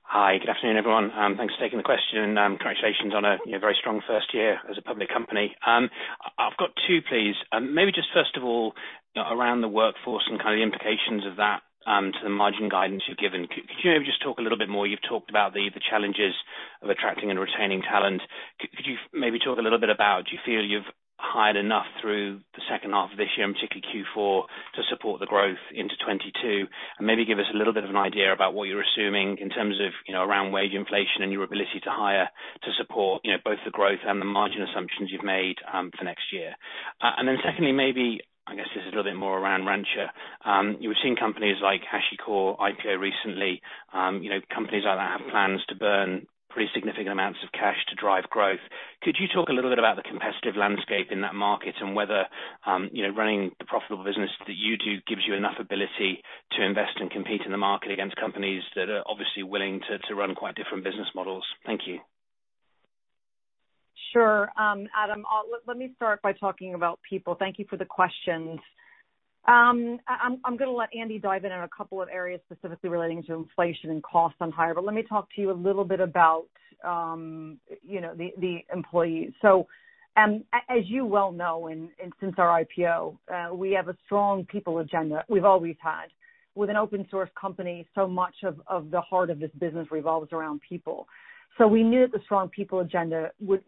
Hi, good afternoon, everyone. Thanks for taking the question, and congratulations on a very strong first year as a public company. I've got two, please. Maybe just first of all, around the workforce and kind of the implications of that to the margin guidance you've given. Could you maybe just talk a little bit more? You've talked about the challenges of attracting and retaining talent. Could you maybe talk a little bit about, do you feel you've hired enough through H2, 2022 and particularly Q4, to support the growth into 2022? Maybe give us a little bit of an idea about what you're assuming in terms of, you know, around wage inflation and your ability to hire to support, you know, both the growth and the margin assumptions you've made for next year. Then secondly, maybe, I guess, just a little bit more around Rancher. You were seeing companies like HashiCorp IPO recently, you know, companies like that have plans to burn pretty significant amounts of cash to drive growth. Could you talk a little bit about the competitive landscape in that market and whether, you know, running the profitable business that you do gives you enough ability to invest and compete in the market against companies that are obviously willing to run quite different business models? Thank you. Sure. Adam, let me start by talking about people. Thank you for the questions. I'm gonna let Andy dive in on a couple of areas specifically relating to inflation and cost of hire, but let me talk to you a little bit about, you know, the employees. As you well know and since our IPO, we have a strong people agenda we've always had. With an open source company, so much of the heart of this business revolves around people. We knew that the strong people agenda would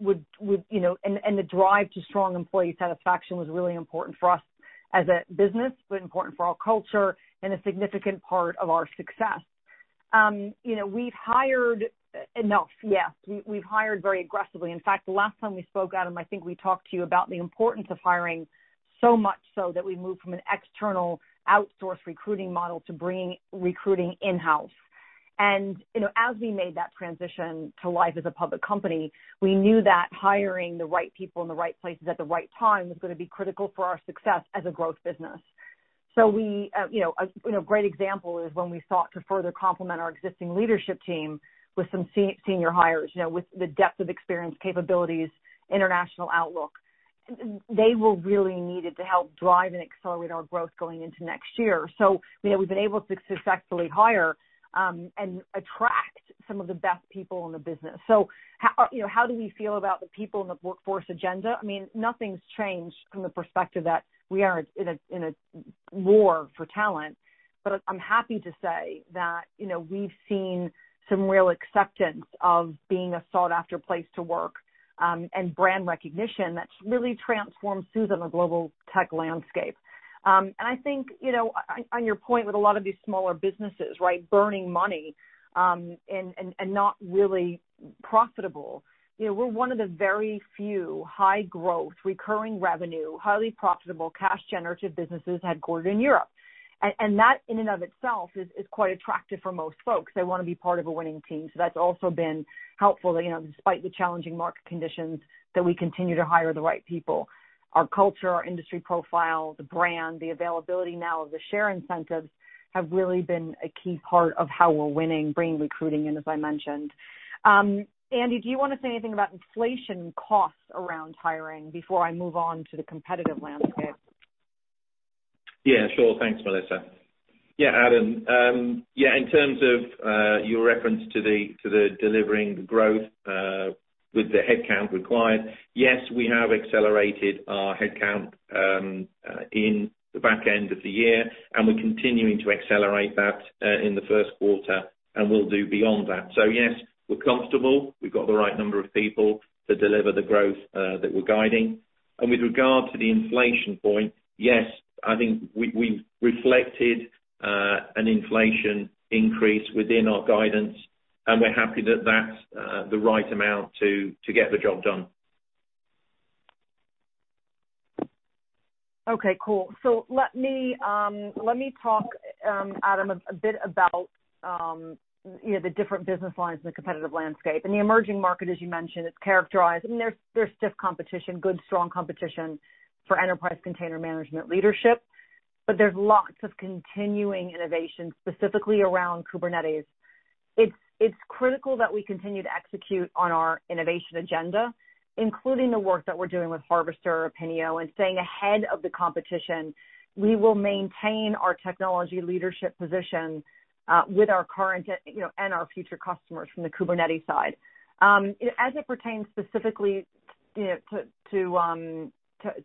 you know and the drive to strong employee satisfaction was really important for us as a business, but important for our culture and a significant part of our success. You know, we've hired enough. Yes, we've hired very aggressively. In fact, the last time we spoke, Adam, I think we talked to you about the importance of hiring, so much so that we moved from an external outsourced recruiting model to bringing recruiting in-house. You know, as we made that transition to life as a public company, we knew that hiring the right people in the right places at the right time was gonna be critical for our success as a growth business. We, you know, great example is when we sought to further complement our existing leadership team with some senior hires, you know, with the depth of experience, capabilities, international outlook. They were really needed to help drive and accelerate our growth going into next year. You know, we've been able to successfully hire and attract some of the best people in the business. How do we feel about the people in the workforce agenda? I mean, nothing's changed from the perspective that we are in a war for talent. But I'm happy to say that, you know, we've seen some real acceptance of being a sought-after place to work, and brand recognition that's really transformed SUSE on the global tech landscape. And I think, you know, on your point with a lot of these smaller businesses, right, burning money, and not really profitable. You know, we're one of the very few high growth, recurring revenue, highly profitable cash generative businesses headquartered in Europe. That in and of itself is quite attractive for most folks. They wanna be part of a winning team, so that's also been helpful, you know, despite the challenging market conditions, we continue to hire the right people. Our culture, our industry profile, the brand, the availability now of the share incentives have really been a key part of how we're winning in recruiting, as I mentioned. Andy, do you wanna say anything about inflation costs around hiring before I move on to the competitive landscape? Yeah, sure. Thanks, Melissa. Yeah, Adam. Yeah, in terms of your reference to the delivering the growth with the headcount required, yes, we have accelerated our headcount in the back end of the year, and we're continuing to accelerate that in Q1, and we'll do beyond that. Yes, we're comfortable. We've got the right number of people to deliver the growth that we're guiding. With regard to the inflation point, yes, I think we've reflected an inflation increase within our guidance, and we're happy that that's the right amount to get the job done. Okay, cool. Let me talk, Adam, a bit about you know, the different business lines in the competitive landscape. In the emerging market, as you mentioned, it's characterized. I mean, there's stiff competition, good, strong competition for enterprise container management leadership, but there's lots of continuing innovation, specifically around Kubernetes. It's critical that we continue to execute on our innovation agenda, including the work that we're doing with Harvester, Epinio, and staying ahead of the competition. We will maintain our technology leadership position with our current and, you know, our future customers from the Kubernetes side. As it pertains specifically, you know, to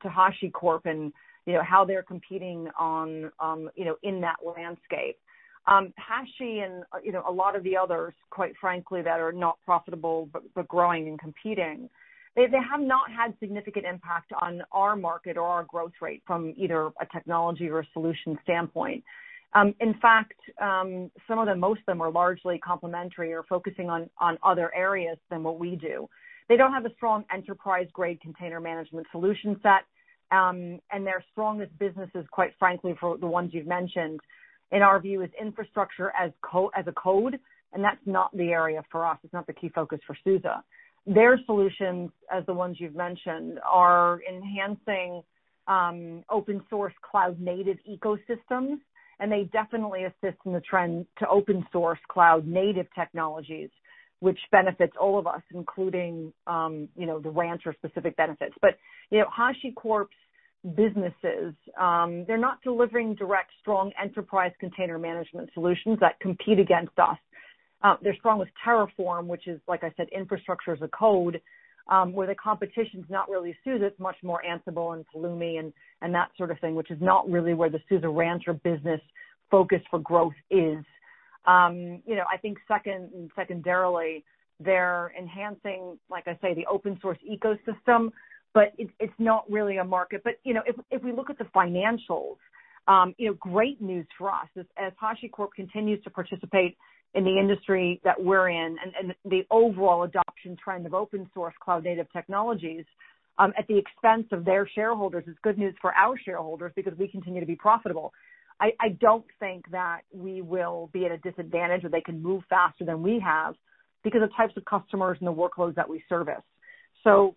HashiCorp and, you know, how they're competing on, you know, in that landscape. HashiCorp and, you know, a lot of the others, quite frankly, that are not profitable but growing and competing, they have not had significant impact on our market or our growth rate from either a technology or a solution standpoint. In fact, some of them, most of them are largely complementary or focusing on other areas than what we do. They don't have a strong enterprise-grade container management solution set, and their strongest business is, quite frankly, for the ones you've mentioned, in our view, is infrastructure as code, and that's not the area for us. It's not the key focus for SUSE. Their solutions, as the ones you've mentioned, are enhancing open source cloud native ecosystems, and they definitely assist in the trend to open source cloud native technologies, which benefits all of us, including you know, the Rancher specific benefits. HashiCorp's businesses, they're not delivering direct strong enterprise container management solutions that compete against us. Their strongest Terraform, which is, like I said, infrastructure as a code, where the competition's not really SUSE, it's much more Ansible and Pulumi and that sort of thing, which is not really where the SUSE Rancher business focus for growth is. You know, I think secondarily, they're enhancing, like I say, the open source ecosystem, but it's not really a market. You know, if we look at the financials, you know, great news for us is as HashiCorp continues to participate in the industry that we're in and the overall adoption trend of open source cloud native technologies, at the expense of their shareholders is good news for our shareholders because we continue to be profitable. I don't think that we will be at a disadvantage where they can move faster than we have because of the types of customers and the workloads that we service. No,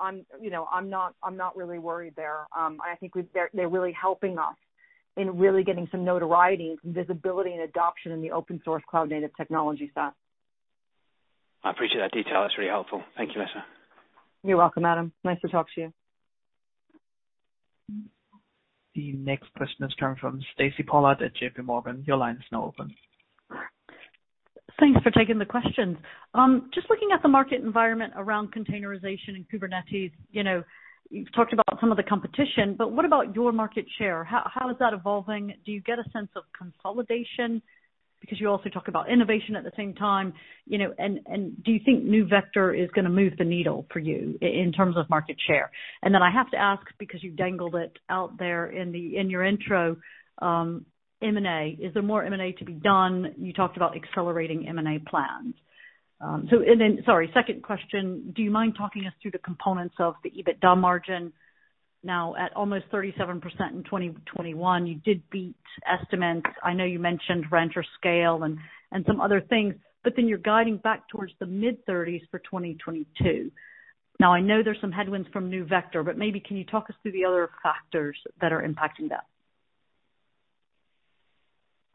I'm, you know, I'm not really worried there. I think they're really helping us in really getting some notoriety, some visibility and adoption in the open source cloud native technology stack. I appreciate that detail. That's really helpful. Thank you, Lisa. You're welcome, Adam. Nice to talk to you. The next question is coming from Stacy Pollard at JPMorgan. Your line is now open. Thanks for taking the questions. Just looking at the market environment around containerization and Kubernetes, you know, you've talked about some of the competition, but what about your market share? How is that evolving? Do you get a sense of consolidation? Because you also talk about innovation at the same time, you know, and do you think NeuVector is gonna move the needle for you in terms of market share? Then I have to ask, because you dangled it out there in the in your intro, M&A. Is there more M&A to be done? You talked about accelerating M&A plans. Sorry, second question. Do you mind talking us through the components of the EBITDA margin now at almost 37% in 2021? You did beat estimates. I know you mentioned Rancher scale and some other things, but then you're guiding back towards the mid-thirties for 2022. Now, I know there's some headwinds from NeuVector, but maybe can you talk us through the other factors that are impacting that?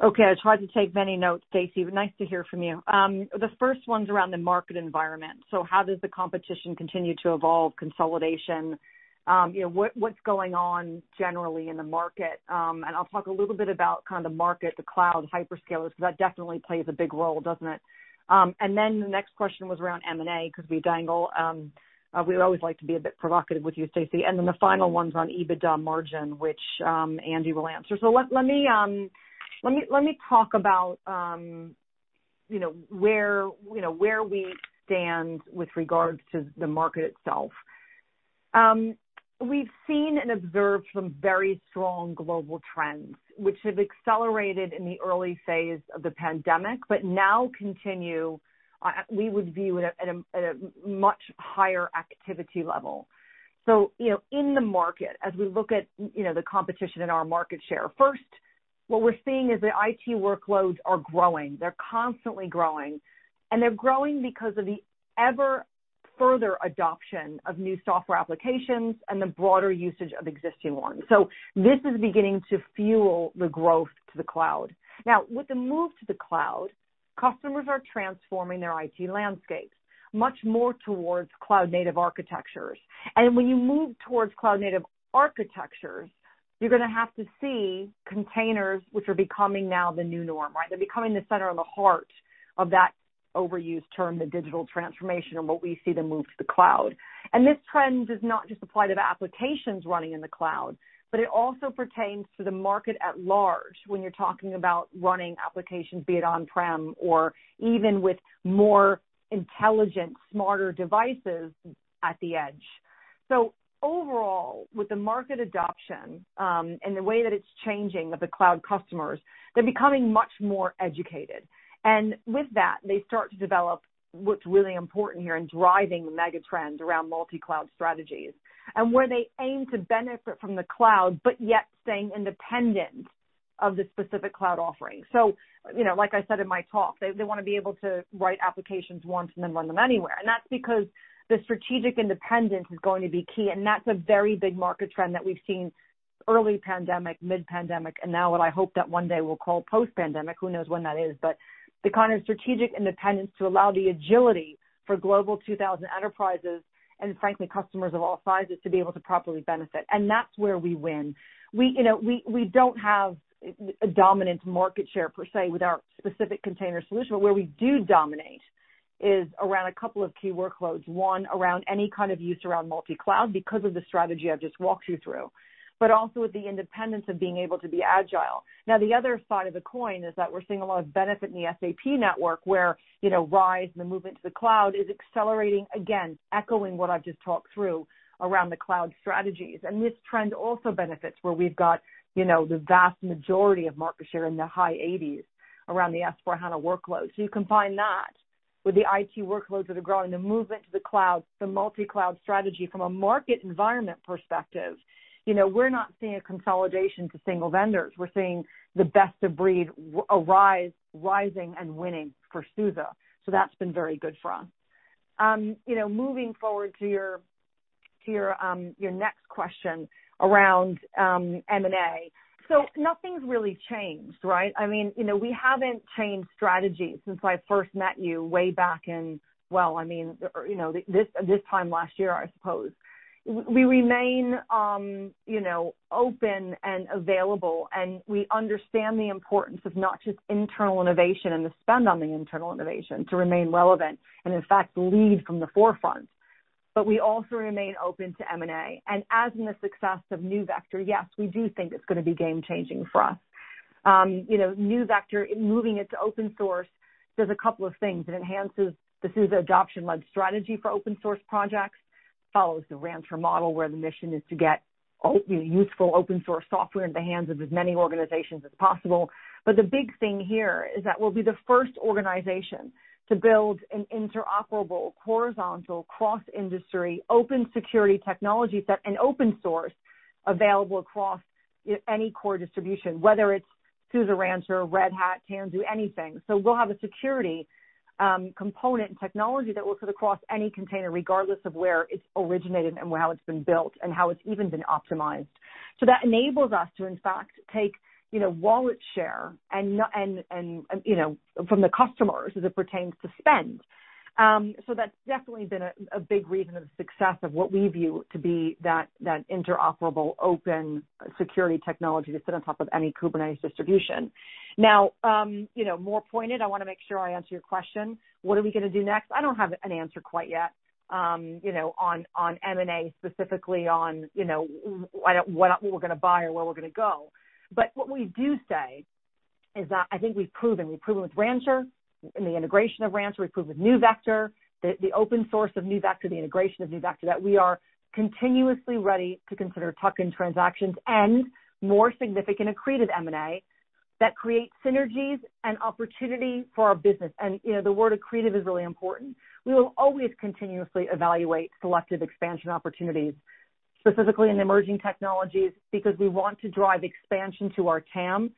Okay. I tried to take many notes, Stacy. Nice to hear from you. The first one's around the market environment. How does the competition continue to evolve consolidation? You know, what's going on generally in the market? And I'll talk a little bit about kind of the market, the cloud hyperscalers, because that definitely plays a big role, doesn't it? And then the next question was around M&A, 'cause we dangle, we always like to be a bit provocative with you, Stacy. Then the final one's on EBITDA margin, which Andy will answer. Let me talk about, you know, where, you know, where we stand with regards to the market itself. We've seen and observed some very strong global trends which have accelerated in the early phase of the pandemic, but now continue at a much higher activity level. You know, in the market, as we look at, you know, the competition in our market share, first, what we're seeing is the IT workloads are growing. They're constantly growing, and they're growing because of the ever further adoption of new software applications and the broader usage of existing ones. This is beginning to fuel the growth to the cloud. Now, with the move to the cloud, customers are transforming their IT landscapes much more towards cloud native architectures. And when you move towards cloud native architectures, you're gonna have to see containers which are becoming now the new norm, right? They're becoming the center of the heart of that overused term, the digital transformation, and what we see the move to the cloud. This trend does not just apply to the applications running in the cloud, but it also pertains to the market at large when you're talking about running applications, be it on-prem or even with more intelligent, smarter devices at the edge. Overall, with the market adoption, and the way that it's changing of the cloud customers, they're becoming much more educated. With that, they start to develop what's really important here in driving the mega trends around multi-cloud strategies. Where they aim to benefit from the cloud, but yet staying independent of the specific cloud offerings. You know, like I said in my talk, they wanna be able to write applications once and then run them anywhere. That's because the strategic independence is going to be key, and that's a very big market trend that we've seen early pandemic, mid-pandemic, and now what I hope that one day we'll call post-pandemic. Who knows when that is? The kind of strategic independence to allow the agility for global 2,000 enterprises and frankly, customers of all sizes to be able to properly benefit. That's where we win. We, you know, don't have a dominant market share per se with our specific container solution, but where we do dominate is around a couple of key workloads, one, around any kind of use around multi-cloud because of the strategy I've just walked you through, but also with the independence of being able to be agile. Now, the other side of the coin is that we're seeing a lot of benefit in the SAP network where, you know, rise in the movement to the cloud is accelerating, again, echoing what I've just talked through around the cloud strategies. This trend also benefits where we've got, you know, the vast majority of market share in the high 80s% around the S/4HANA workloads. You combine that with the IT workloads that are growing, the movement to the cloud, the multi-cloud strategy from a market environment perspective. You know, we're not seeing a consolidation to single vendors. We're seeing the best of breed arising and winning for SUSE. That's been very good for us. You know, moving forward to your next question around M&A. Nothing's really changed, right? I mean, you know, we haven't changed strategy since I first met you way back in, well, or, you know, this time last year, I suppose. We remain, you know, open and available, and we understand the importance of not just internal innovation and the spend on the internal innovation to remain relevant and in fact, lead from the forefront. We also remain open to M&A. As in the success of NeuVector, yes, we do think it's gonna be game changing for us. You know, NeuVector, in moving it to open source, does a couple of things. It enhances the SUSE adoption-led strategy for open source projects, follows the Rancher model, where the mission is to get hopefully useful open source software in the hands of as many organizations as possible. The big thing here is that we'll be the first organization to build an interoperable, horizontal, cross-industry, open security technology set and open source available across any core distribution, whether it's SUSE, Rancher, Red Hat, Tanzu, anything. We'll have a security component technology that will sit across any container, regardless of where it's originated and how it's been built and how it's even been optimized. That enables us to, in fact, take you know wallet share and you know from the customers as it pertains to spend. That's definitely been a big reason of the success of what we view to be that interoperable open security technology to sit on top of any Kubernetes distribution. Now, you know, more pointed, I wanna make sure I answer your question, what are we gonna do next? I don't have an answer quite yet, you know, on M&A, specifically on, you know, what we're gonna buy or where we're gonna go. What we do say is that I think we've proven with Rancher, in the integration of Rancher, we've proven with NeuVector, the open source of NeuVector, the integration of NeuVector, that we are continuously ready to consider tuck-in transactions and more significant accretive M&A that create synergies and opportunity for our business. You know, the word accretive is really important. We will always continuously evaluate selective expansion opportunities, specifically in emerging technologies, because we want to drive expansion to our TAM,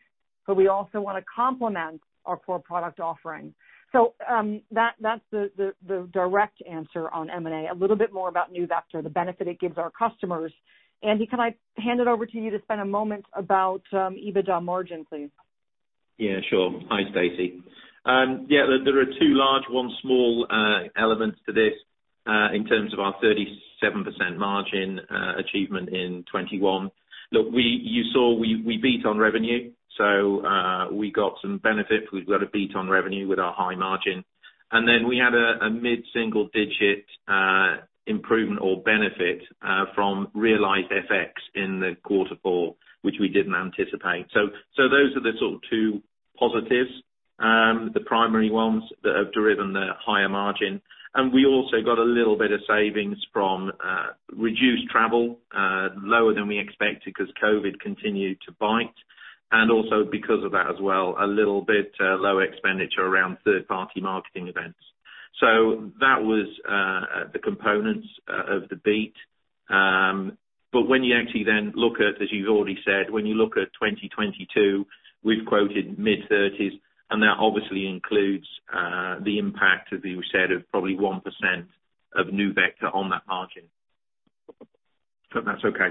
but we also wanna complement our core product offering. That's the direct answer on M&A. A little bit more about NeuVector, the benefit it gives our customers. Andy, can I hand it over to you to spend a moment about EBITDA margin, please? Yeah, sure. Hi, Stacy. Yeah, there are two large, one small elements to this, in terms of our 37% margin achievement in 2021. Look, you saw we beat on revenue, so we got some benefit. We've got a beat on revenue with our high margin. We had a mid-single digit improvement or benefit from realized FX in Q4, which we didn't anticipate. Those are the sort of two positives, the primary ones that have driven the higher margin. We also got a little bit of savings from reduced travel lower than we expected because COVID continued to bite, and also because of that as well, a little bit low expenditure around third-party marketing events. That was the components of the beat. When you actually then look at, as you've already said, when you look at 2022, we've quoted mid-30s%, and that obviously includes the impact, as you said, of probably 1% of NeuVector on that margin. Hope that's okay.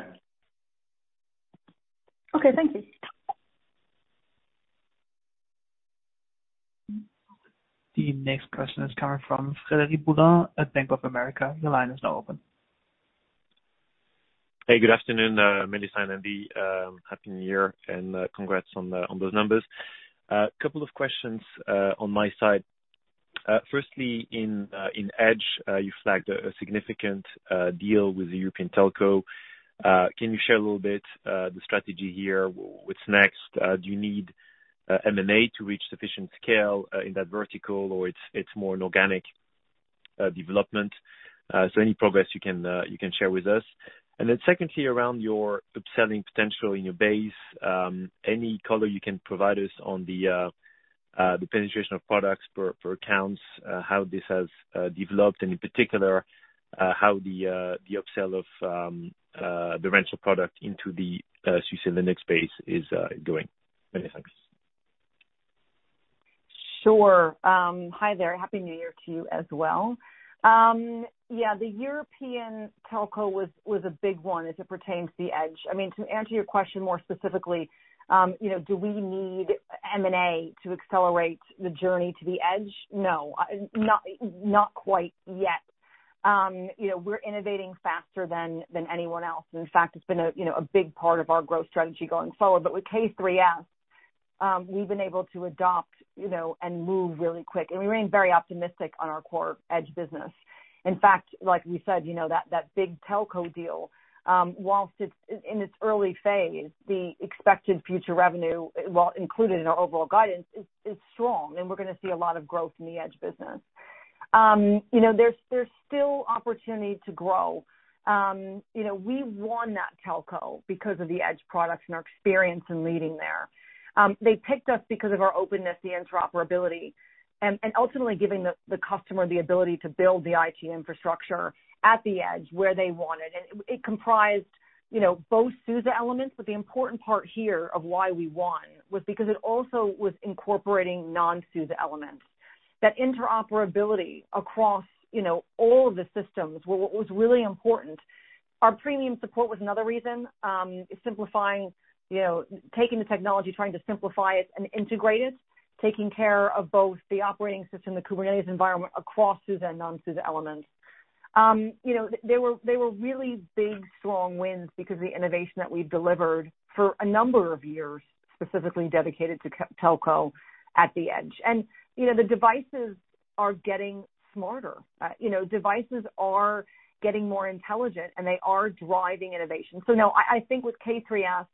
Okay. Thank you. The next question is coming from Frederic Boulan at Bank of America. Your line is now open. Hey, good afternoon, Melissa and Andy. Happy New Year and congrats on those numbers. A couple of questions on my side. Firstly, in Edge, you flagged a significant deal with the European telco. Can you share a little bit the strategy here? What's next? Do you need M&A to reach sufficient scale in that vertical or it's more an organic development? So any progress you can share with us. Secondly, around your upselling potential in your base, any color you can provide us on the penetration of products per accounts, how this has developed and in particular, how the upsell of the Rancher product into the SUSE Linux base is going. Many thanks. Sure. Hi there. Happy New Year to you as well. Yeah, the European telco was a big one as it pertains to edge. I mean, to answer your question more specifically, you know, do we need M&A to accelerate the journey to the edge? No. Not quite yet. You know, we're innovating faster than anyone else. In fact, it's been a big part of our growth strategy going forward. With K3s, we've been able to adopt, you know, and move really quick, and we remain very optimistic on our core edge business. In fact, like we said, you know, that big telco deal, while it's in its early phase, the expected future revenue, well, included in our overall guidance is strong, and we're gonna see a lot of growth in the Edge business. You know, there's still opportunity to grow. You know, we won that telco because of the Edge products and our experience in leading there. They picked us because of our openness, the interoperability, and ultimately giving the customer the ability to build the IT infrastructure at the edge where they want it. It comprised, you know, both SUSE elements, but the important part here of why we won was because it also was incorporating non-SUSE elements. That interoperability across, you know, all of the systems was really important. Our premium support was another reason. Simplifying, you know, taking the technology, trying to simplify it and integrate it, taking care of both the operating system, the Kubernetes environment across SUSE and non-SUSE elements. They were really big, strong wins because the innovation that we've delivered for a number of years, specifically dedicated to telco at the edge. You know, the devices are getting smarter. You know, devices are getting more intelligent, and they are driving innovation. I think with K3s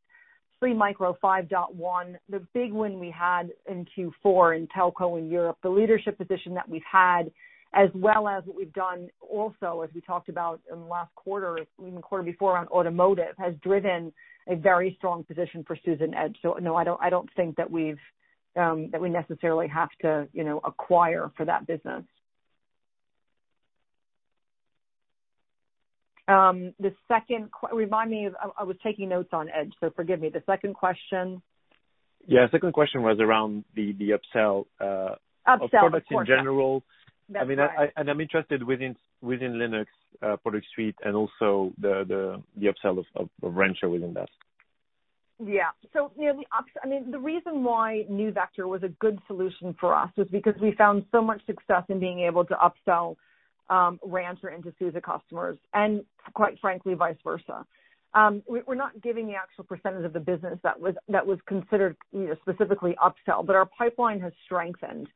SLE Micro 5.1. The big win we had in Q4 in telco in Europe, the leadership position that we've had, as well as what we've done also, as we talked about in the last quarter, even quarter before on automotive, has driven a very strong position for SUSE and edge. No, I don't think that we necessarily have to, you know, acquire for that business. The second question? Remind me. I was taking notes on Edge, so forgive me. The second question? Yeah, second question was around the upsell. Upsell. of products in general. That's right. I mean, I'm interested within Linux product suite and also the upsell of Rancher within that. Yeah. You know, the reason why NeuVector was a good solution for us was because we found so much success in being able to upsell Rancher into SUSE customers, and quite frankly, vice versa. We're not giving the actual percentage of the business that was considered, you know, specifically upsell, but our pipeline has strengthened.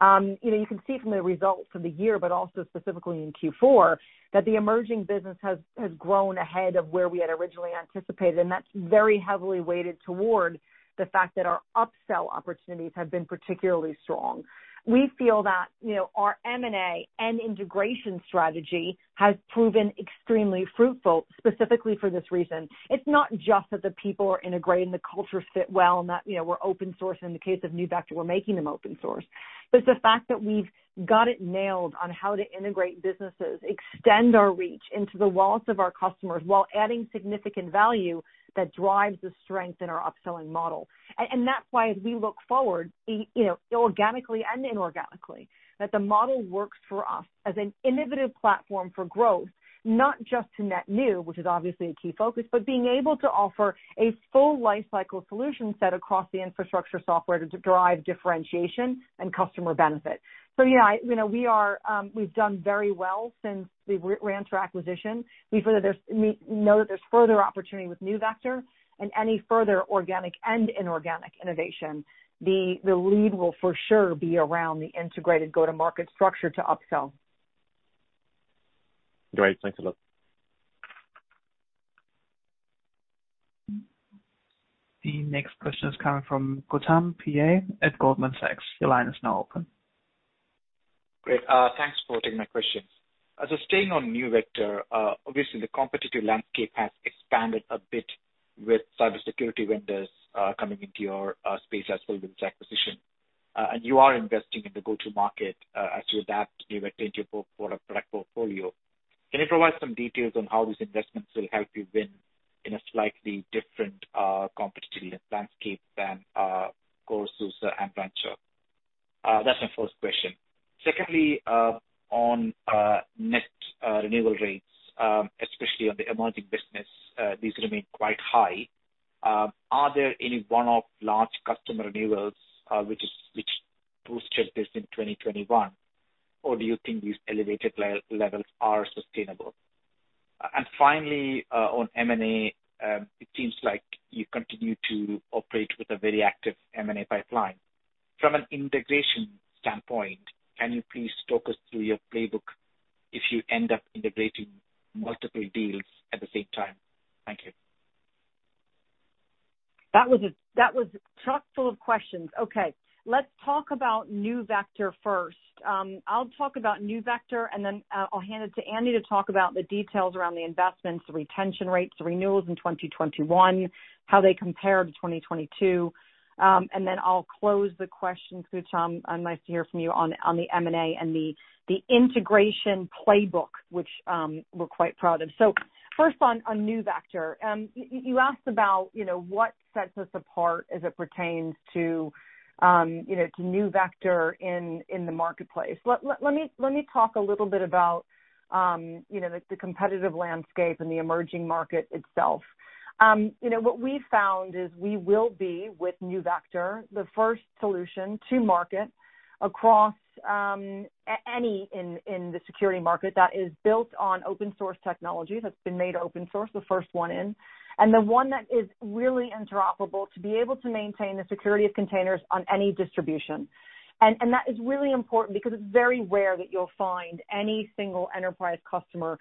You know, you can see from the results for the year, but also specifically in Q4, that the emerging business has grown ahead of where we had originally anticipated, and that's very heavily weighted toward the fact that our upsell opportunities have been particularly strong. We feel that, you know, our M&A and integration strategy has proven extremely fruitful, specifically for this reason. It's not just that the people are integrating, the cultures fit well, and that, you know, we're open source, and in the case of NeuVector, we're making them open source. It's the fact that we've got it nailed on how to integrate businesses, extend our reach into the walls of our customers while adding significant value that drives the strength in our upselling model. That's why as we look forward, you know, organically and inorganically, that the model works for us as an innovative platform for growth, not just to net new, which is obviously a key focus, but being able to offer a full lifecycle solution set across the infrastructure software to drive differentiation and customer benefit. Yeah, you know, we are, we've done very well since the Rancher acquisition. We know that there's further opportunity with NeuVector and any further organic and inorganic innovation. The lead will for sure be around the integrated go-to-market structure to upsell. Great. Thanks a lot. The next question is coming from Gautam Pillai at Goldman Sachs. Your line is now open. Great. Thanks for taking my questions. Staying on NeuVector, obviously the competitive landscape has expanded a bit with cybersecurity vendors coming into your space as well with this acquisition. You are investing in the go-to-market, as you adapt NeuVector into your product portfolio. Can you provide some details on how these investments will help you win in a slightly different competitive landscape than core SUSE and Rancher? That's my first question. Secondly, on net renewal rates, especially on the emerging business, these remain quite high. Are there any one-off large customer renewals, which boosted this in 2021? Or do you think these elevated levels are sustainable? Finally, on M&A, it seems like you continue to operate with a very active M&A pipeline. From an integration standpoint, can you please talk us through your playbook if you end up integrating multiple deals at the same time? Thank you. That was a truck full of questions. Okay, let's talk about NeuVector first. I'll talk about NeuVector, and then I'll hand it to Andy to talk about the details around the investments, the retention rates, the renewals in 2021, how they compare to 2022. And then I'll close the question, Gautam, nice to hear from you on the M&A and the integration playbook, which we're quite proud of. First on NeuVector. You asked about, you know, what sets us apart as it pertains to, you know, to NeuVector in the marketplace. Let me talk a little bit about, you know, the competitive landscape and the emerging market itself. You know, what we found is we will be, with NeuVector, the first solution to market across any infrastructure in the security market that is built on open source technology, that's been made open source, and the one that is really interoperable to be able to maintain the security of containers on any distribution. That is really important because it's very rare that you'll find any single enterprise customer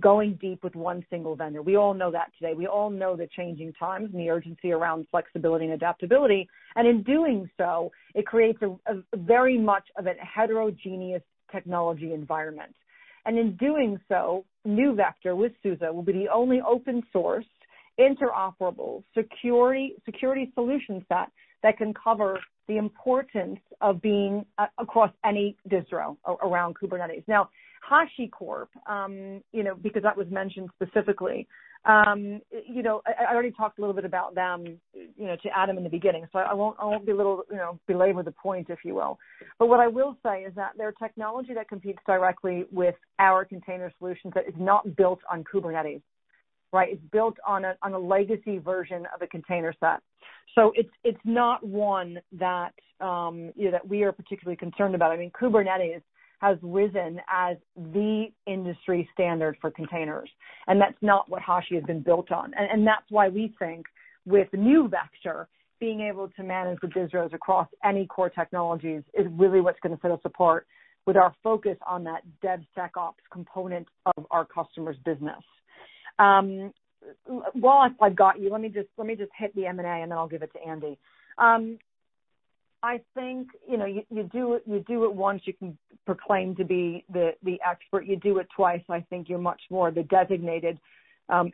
going deep with one single vendor. We all know that today. We all know the changing times and the urgency around flexibility and adaptability. In doing so, it creates a very much of a heterogeneous technology environment. In doing so, NeuVector with SUSE will be the only open source interoperable security solution set that can cover the importance of being across any distribution around Kubernetes. Now, HashiCorp, you know, because that was mentioned specifically, you know, I already talked a little bit about them, you know, to Adam in the beginning, so I won't belabor the point, if you will. What I will say is that their technology that competes directly with our container solutions that is not built on Kubernetes, right? It's built on a legacy version of a container set. It's not one that we are particularly concerned about. I mean, Kubernetes has risen as the industry standard for containers, and that's not what Hashi has been built on. That's why we think with NeuVector, being able to manage the distros across any core technologies is really what's gonna set us apart with our focus on that DevSecOps component of our customer's business. While I've got you, let me just hit the M&A, and then I'll give it to Andy. I think, you know, you do it once you can proclaim to be the expert. You do it twice, I think you're much more the designated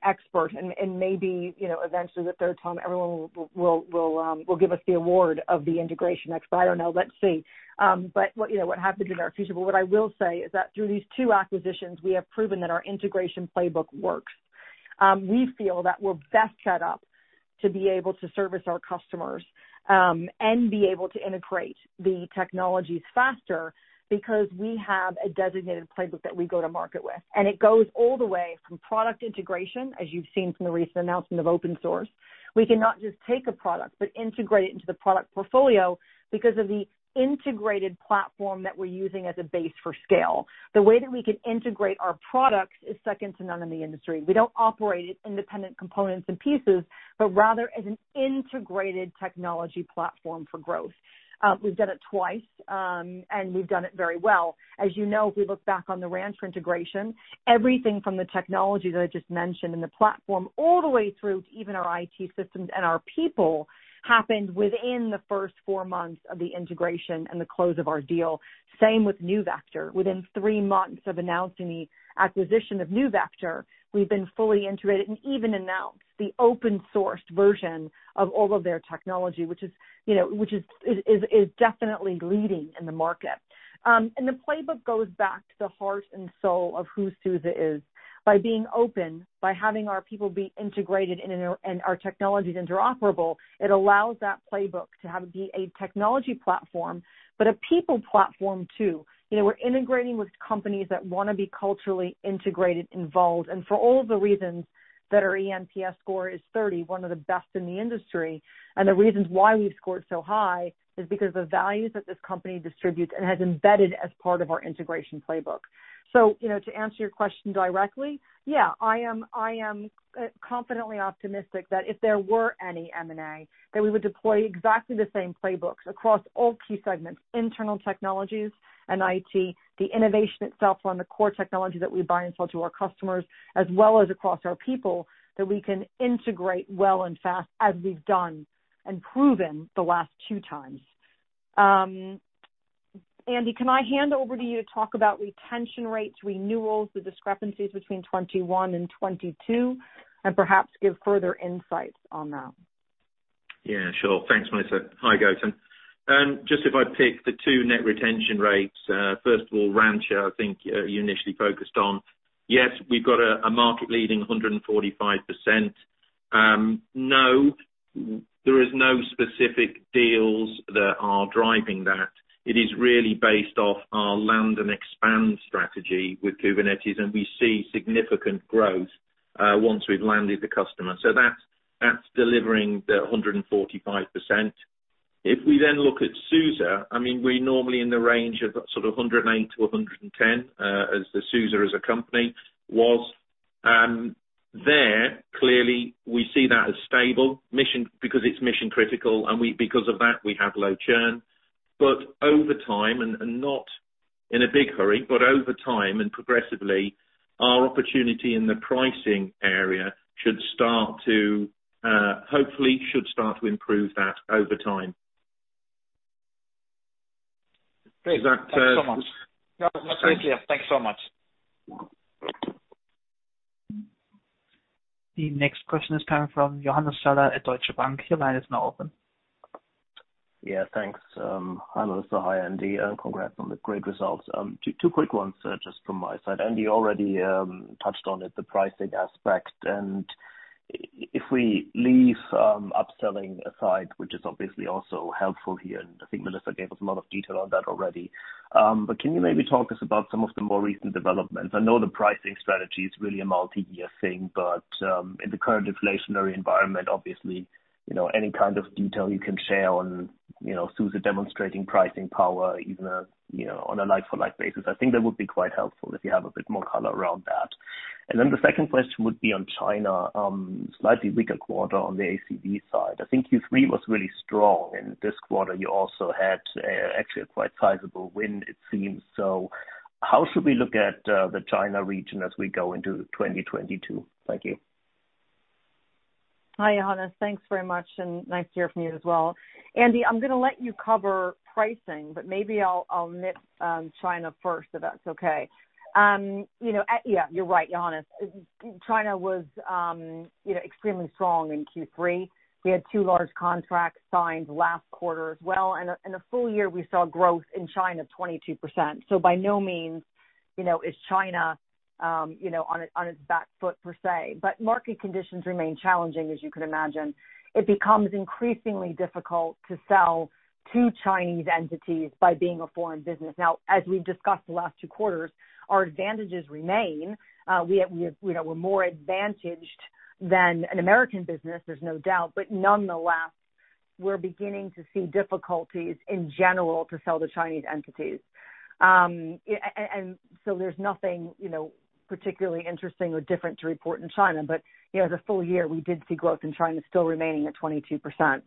expert and maybe, you know, eventually the third time everyone will give us the award of the integration expert. I don't know. Let's see. What, you know, happens in our future. What I will say is that through these two acquisitions, we have proven that our integration playbook works. We feel that we're best set up to be able to service our customers and be able to integrate the technologies faster because we have a designated playbook that we go to market with. It goes all the way from product integration, as you've seen from the recent announcement of open source. We can not just take a product, but integrate it into the product portfolio because of the integrated platform that we're using as a base for scale. The way that we can integrate our products is second to none in the industry. We don't operate independent components and pieces, but rather as an integrated technology platform for growth. We've done it twice, and we've done it very well. As you know, if we look back on the Rancher integration, everything from the technology that I just mentioned and the platform all the way through to even our IT systems and our people happened within the first four months of the integration and the close of our deal. Same with NeuVector. Within three months of announcing the acquisition of NeuVector, we've been fully integrated and even announced the open source version of all of their technology, which is, you know, definitely leading in the market. The playbook goes back to the heart and soul of who SUSE is by being open, by having our people be integrated and our technologies interoperable. It allows that playbook to be a technology platform, but a people platform too. You know, we're integrating with companies that wanna be culturally integrated, involved, and for all of the reasons that our eNPS score is 30, one of the best in the industry. The reasons why we've scored so high is because the values that this company distributes and has embedded as part of our integration playbook. You know, to answer your question directly, yeah, I am confidently optimistic that if there were any M&A, that we would deploy exactly the same playbooks across all key segments, internal technologies and IT, the innovation itself on the core technology that we buy and sell to our customers, as well as across our people, that we can integrate well and fast as we've done and proven the last two times. Andy, can I hand over to you to talk about retention rates, renewals, the discrepancies between 21 and 22, and perhaps give further insights on that? Yeah, sure. Thanks, Melissa. Hi, Gautam Pillai. Just if I pick the two net retention rates, first of all, Rancher, I think, you initially focused on. Yes, we've got a market leading 145%. No, there is no specific deals that are driving that. It is really based off our land and expand strategy with Kubernetes, and we see significant growth once we've landed the customer. So that's delivering the 145%. If we then look at SUSE, I mean, we're normally in the range of sort of 108% to 110%, as SUSE as a company was. Clearly we see that as stable, mission critical, and because of that, we have low churn. Over time, and not in a big hurry, but over time and progressively, our opportunity in the pricing area should start to hopefully should start to improve that over time. Great. Thanks so much. Is that? No, that's very clear. Thanks so much. The next question is coming from Johannes Schaller at Deutsche Bank. Your line is now open. Yeah, thanks. Hi, Melissa. Hi, Andy, and congrats on the great results. Two quick ones, just from my side. Andy, you already touched on it, the pricing aspect. If we leave upselling aside, which is obviously also helpful here, and I think Melissa gave us a lot of detail on that already. Can you maybe talk to us about some of the more recent developments? I know the pricing strategy is really a multi-year thing, but in the current inflationary environment, obviously, you know, any kind of detail you can share on, you know, SUSE demonstrating pricing power, even a, you know, on a like for like basis. I think that would be quite helpful if you have a bit more color around that. The second question would be on China, slightly weaker quarter on the ACV side. I think Q3 was really strong, and this quarter you also had actually a quite sizable win it seems. How should we look at the China region as we go into 2022? Thank you. Hi, Johannes. Thanks very much, and nice to hear from you as well. Andy, I'm gonna let you cover pricing, but maybe I'll hit China first, if that's okay. You know, yeah, you're right, Johannes. China was extremely strong in Q3. We had two large contracts signed last quarter as well. A full-year, we saw growth in China of 22%. By no means, you know, is China on its back foot per se. Market conditions remain challenging, as you can imagine. It becomes increasingly difficult to sell to Chinese entities by being a foreign business. Now, as we've discussed the last two quarters, our advantages remain. We have, you know, we're more advantaged than an American business, there's no doubt. Nonetheless, we're beginning to see difficulties in general to sell to Chinese entities. And so there's nothing, you know, particularly interesting or different to report in China. You know, the full-year, we did see growth in China still remaining at 22%.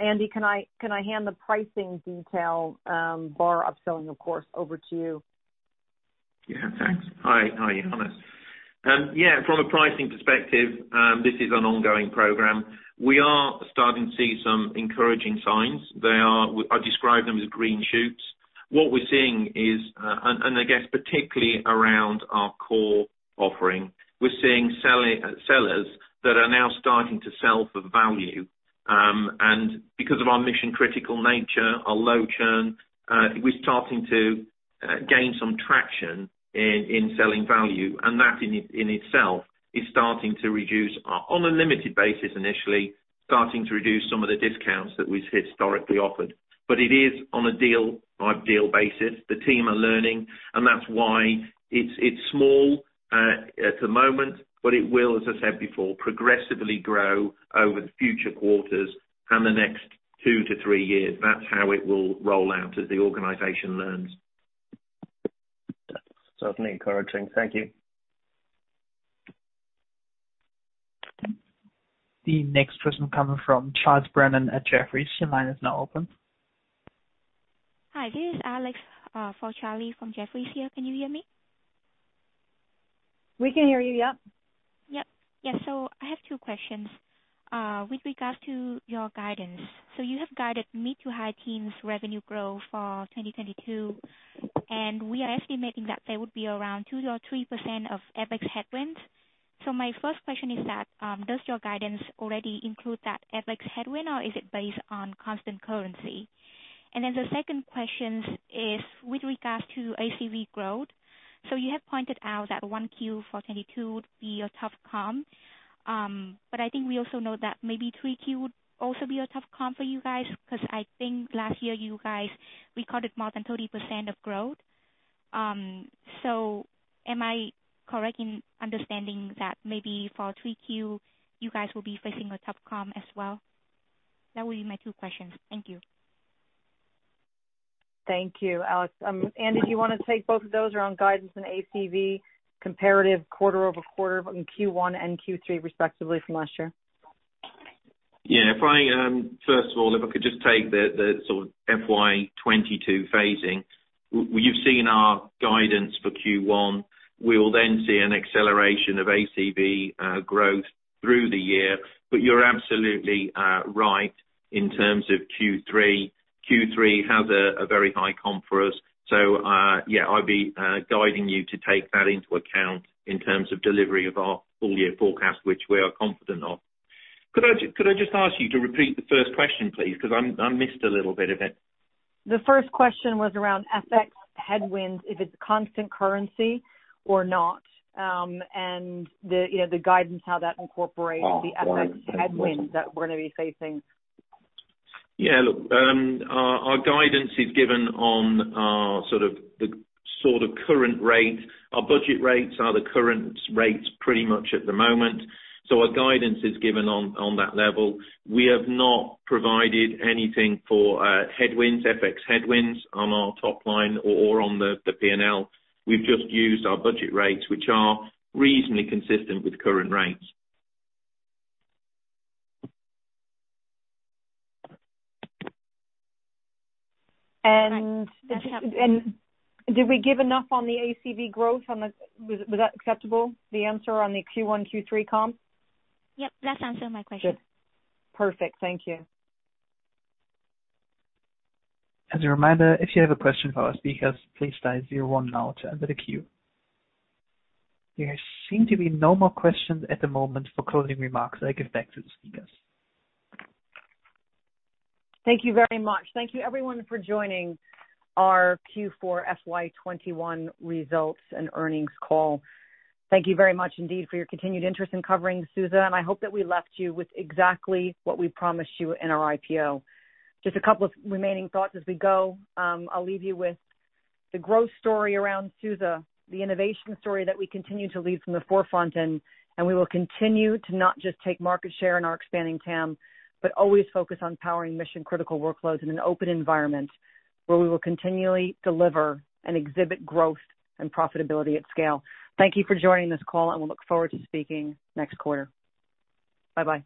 Andy, can I hand the pricing detail, barring upselling of course, over to you? Yeah, thanks. Hi. Hi, Johannes. Yeah, from a pricing perspective, this is an ongoing program. We are starting to see some encouraging signs. I describe them as green shoots. What we're seeing is, and I guess particularly around our core offering, we're seeing sellers that are now starting to sell for value, and because of our mission-critical nature, our low churn, we're starting to gain some traction in selling value. And that in itself is starting to reduce our, on a limited basis initially, starting to reduce some of the discounts that we've historically offered. It is on a deal-by-deal basis. The team are learning, and that's why it's small at the moment, but it will, as I said before, progressively grow over the future quarters and the next two to three years. That's how it will roll out as the organization learns. That's certainly encouraging. Thank you. The next question coming from Charles Brennan at Jefferies. Your line is now open. Hi. This is Alex, for Charles from Jefferies here. Can you hear me? We can hear you, yep. Yep. Yeah, I have two questions. With regards to your guidance, you have guided mid- to high-teens revenue growth for 2022, and we are estimating that there would be around 2%-3% of FX headwinds. My first question is that, does your guidance already include that FX headwind, or is it based on constant currency? Then the second question is with regards to ACV growth. You have pointed out that Q1 for 2022 would be a tough comp. But I think we also know that maybe Q3 would also be a tough comp for you guys, because I think last year you guys recorded more than 30% of growth. Am I correct in understanding that maybe for Q3, you guys will be facing a tough comp as well? That will be my two questions. Thank you. Thank you, Alex. Andy, do you wanna take both of those around guidance and ACV comparative quarter-over-quarter in Q1 and Q3 respectively from last year? Yeah. If I first of all, if I could just take the sort of FY 2022 phasing. Well, you've seen our guidance for Q1. We'll then see an acceleration of ACV growth through the year. You're absolutely right in terms of Q3. Q3 has a very high comp for us. Yeah, I'd be guiding you to take that into account in terms of delivery of our full-year forecast, which we are confident of. Could I just ask you to repeat the first question, please, because I missed a little bit of it. The first question was around FX headwinds, if it's constant currency or not, and you know, the guidance, how that incorporates- Oh. The FX headwinds that we're gonna be facing. Yeah. Look, our guidance is given on our sort of the current rate. Our budget rates are the current rates pretty much at the moment. Our guidance is given on that level. We have not provided anything for headwinds, FX headwinds on our top line or on the P&L. We've just used our budget rates, which are reasonably consistent with current rates. Did we give enough on the ACV growth on the? Was that acceptable, the answer on the Q1, Q3 comp? Yep, that answered my question. Good. Perfect. Thank you. As a reminder, if you have a question for our speakers, please dial zero one now to enter the queue. There seem to be no more questions at the moment for closing remarks. I give back to the speakers. Thank you very much. Thank you everyone for joining our Q4 FY 2021 results and earnings call. Thank you very much indeed for your continued interest in covering SUSE, and I hope that we left you with exactly what we promised you in our IPO. Just a couple of remaining thoughts as we go. I'll leave you with the growth story around SUSE, the innovation story that we continue to lead from the forefront, and we will continue to not just take market share in our expanding TAM, but always focus on powering mission-critical workloads in an open environment, where we will continually deliver and exhibit growth and profitability at scale. Thank you for joining this call, and we look forward to speaking next quarter. Bye-bye.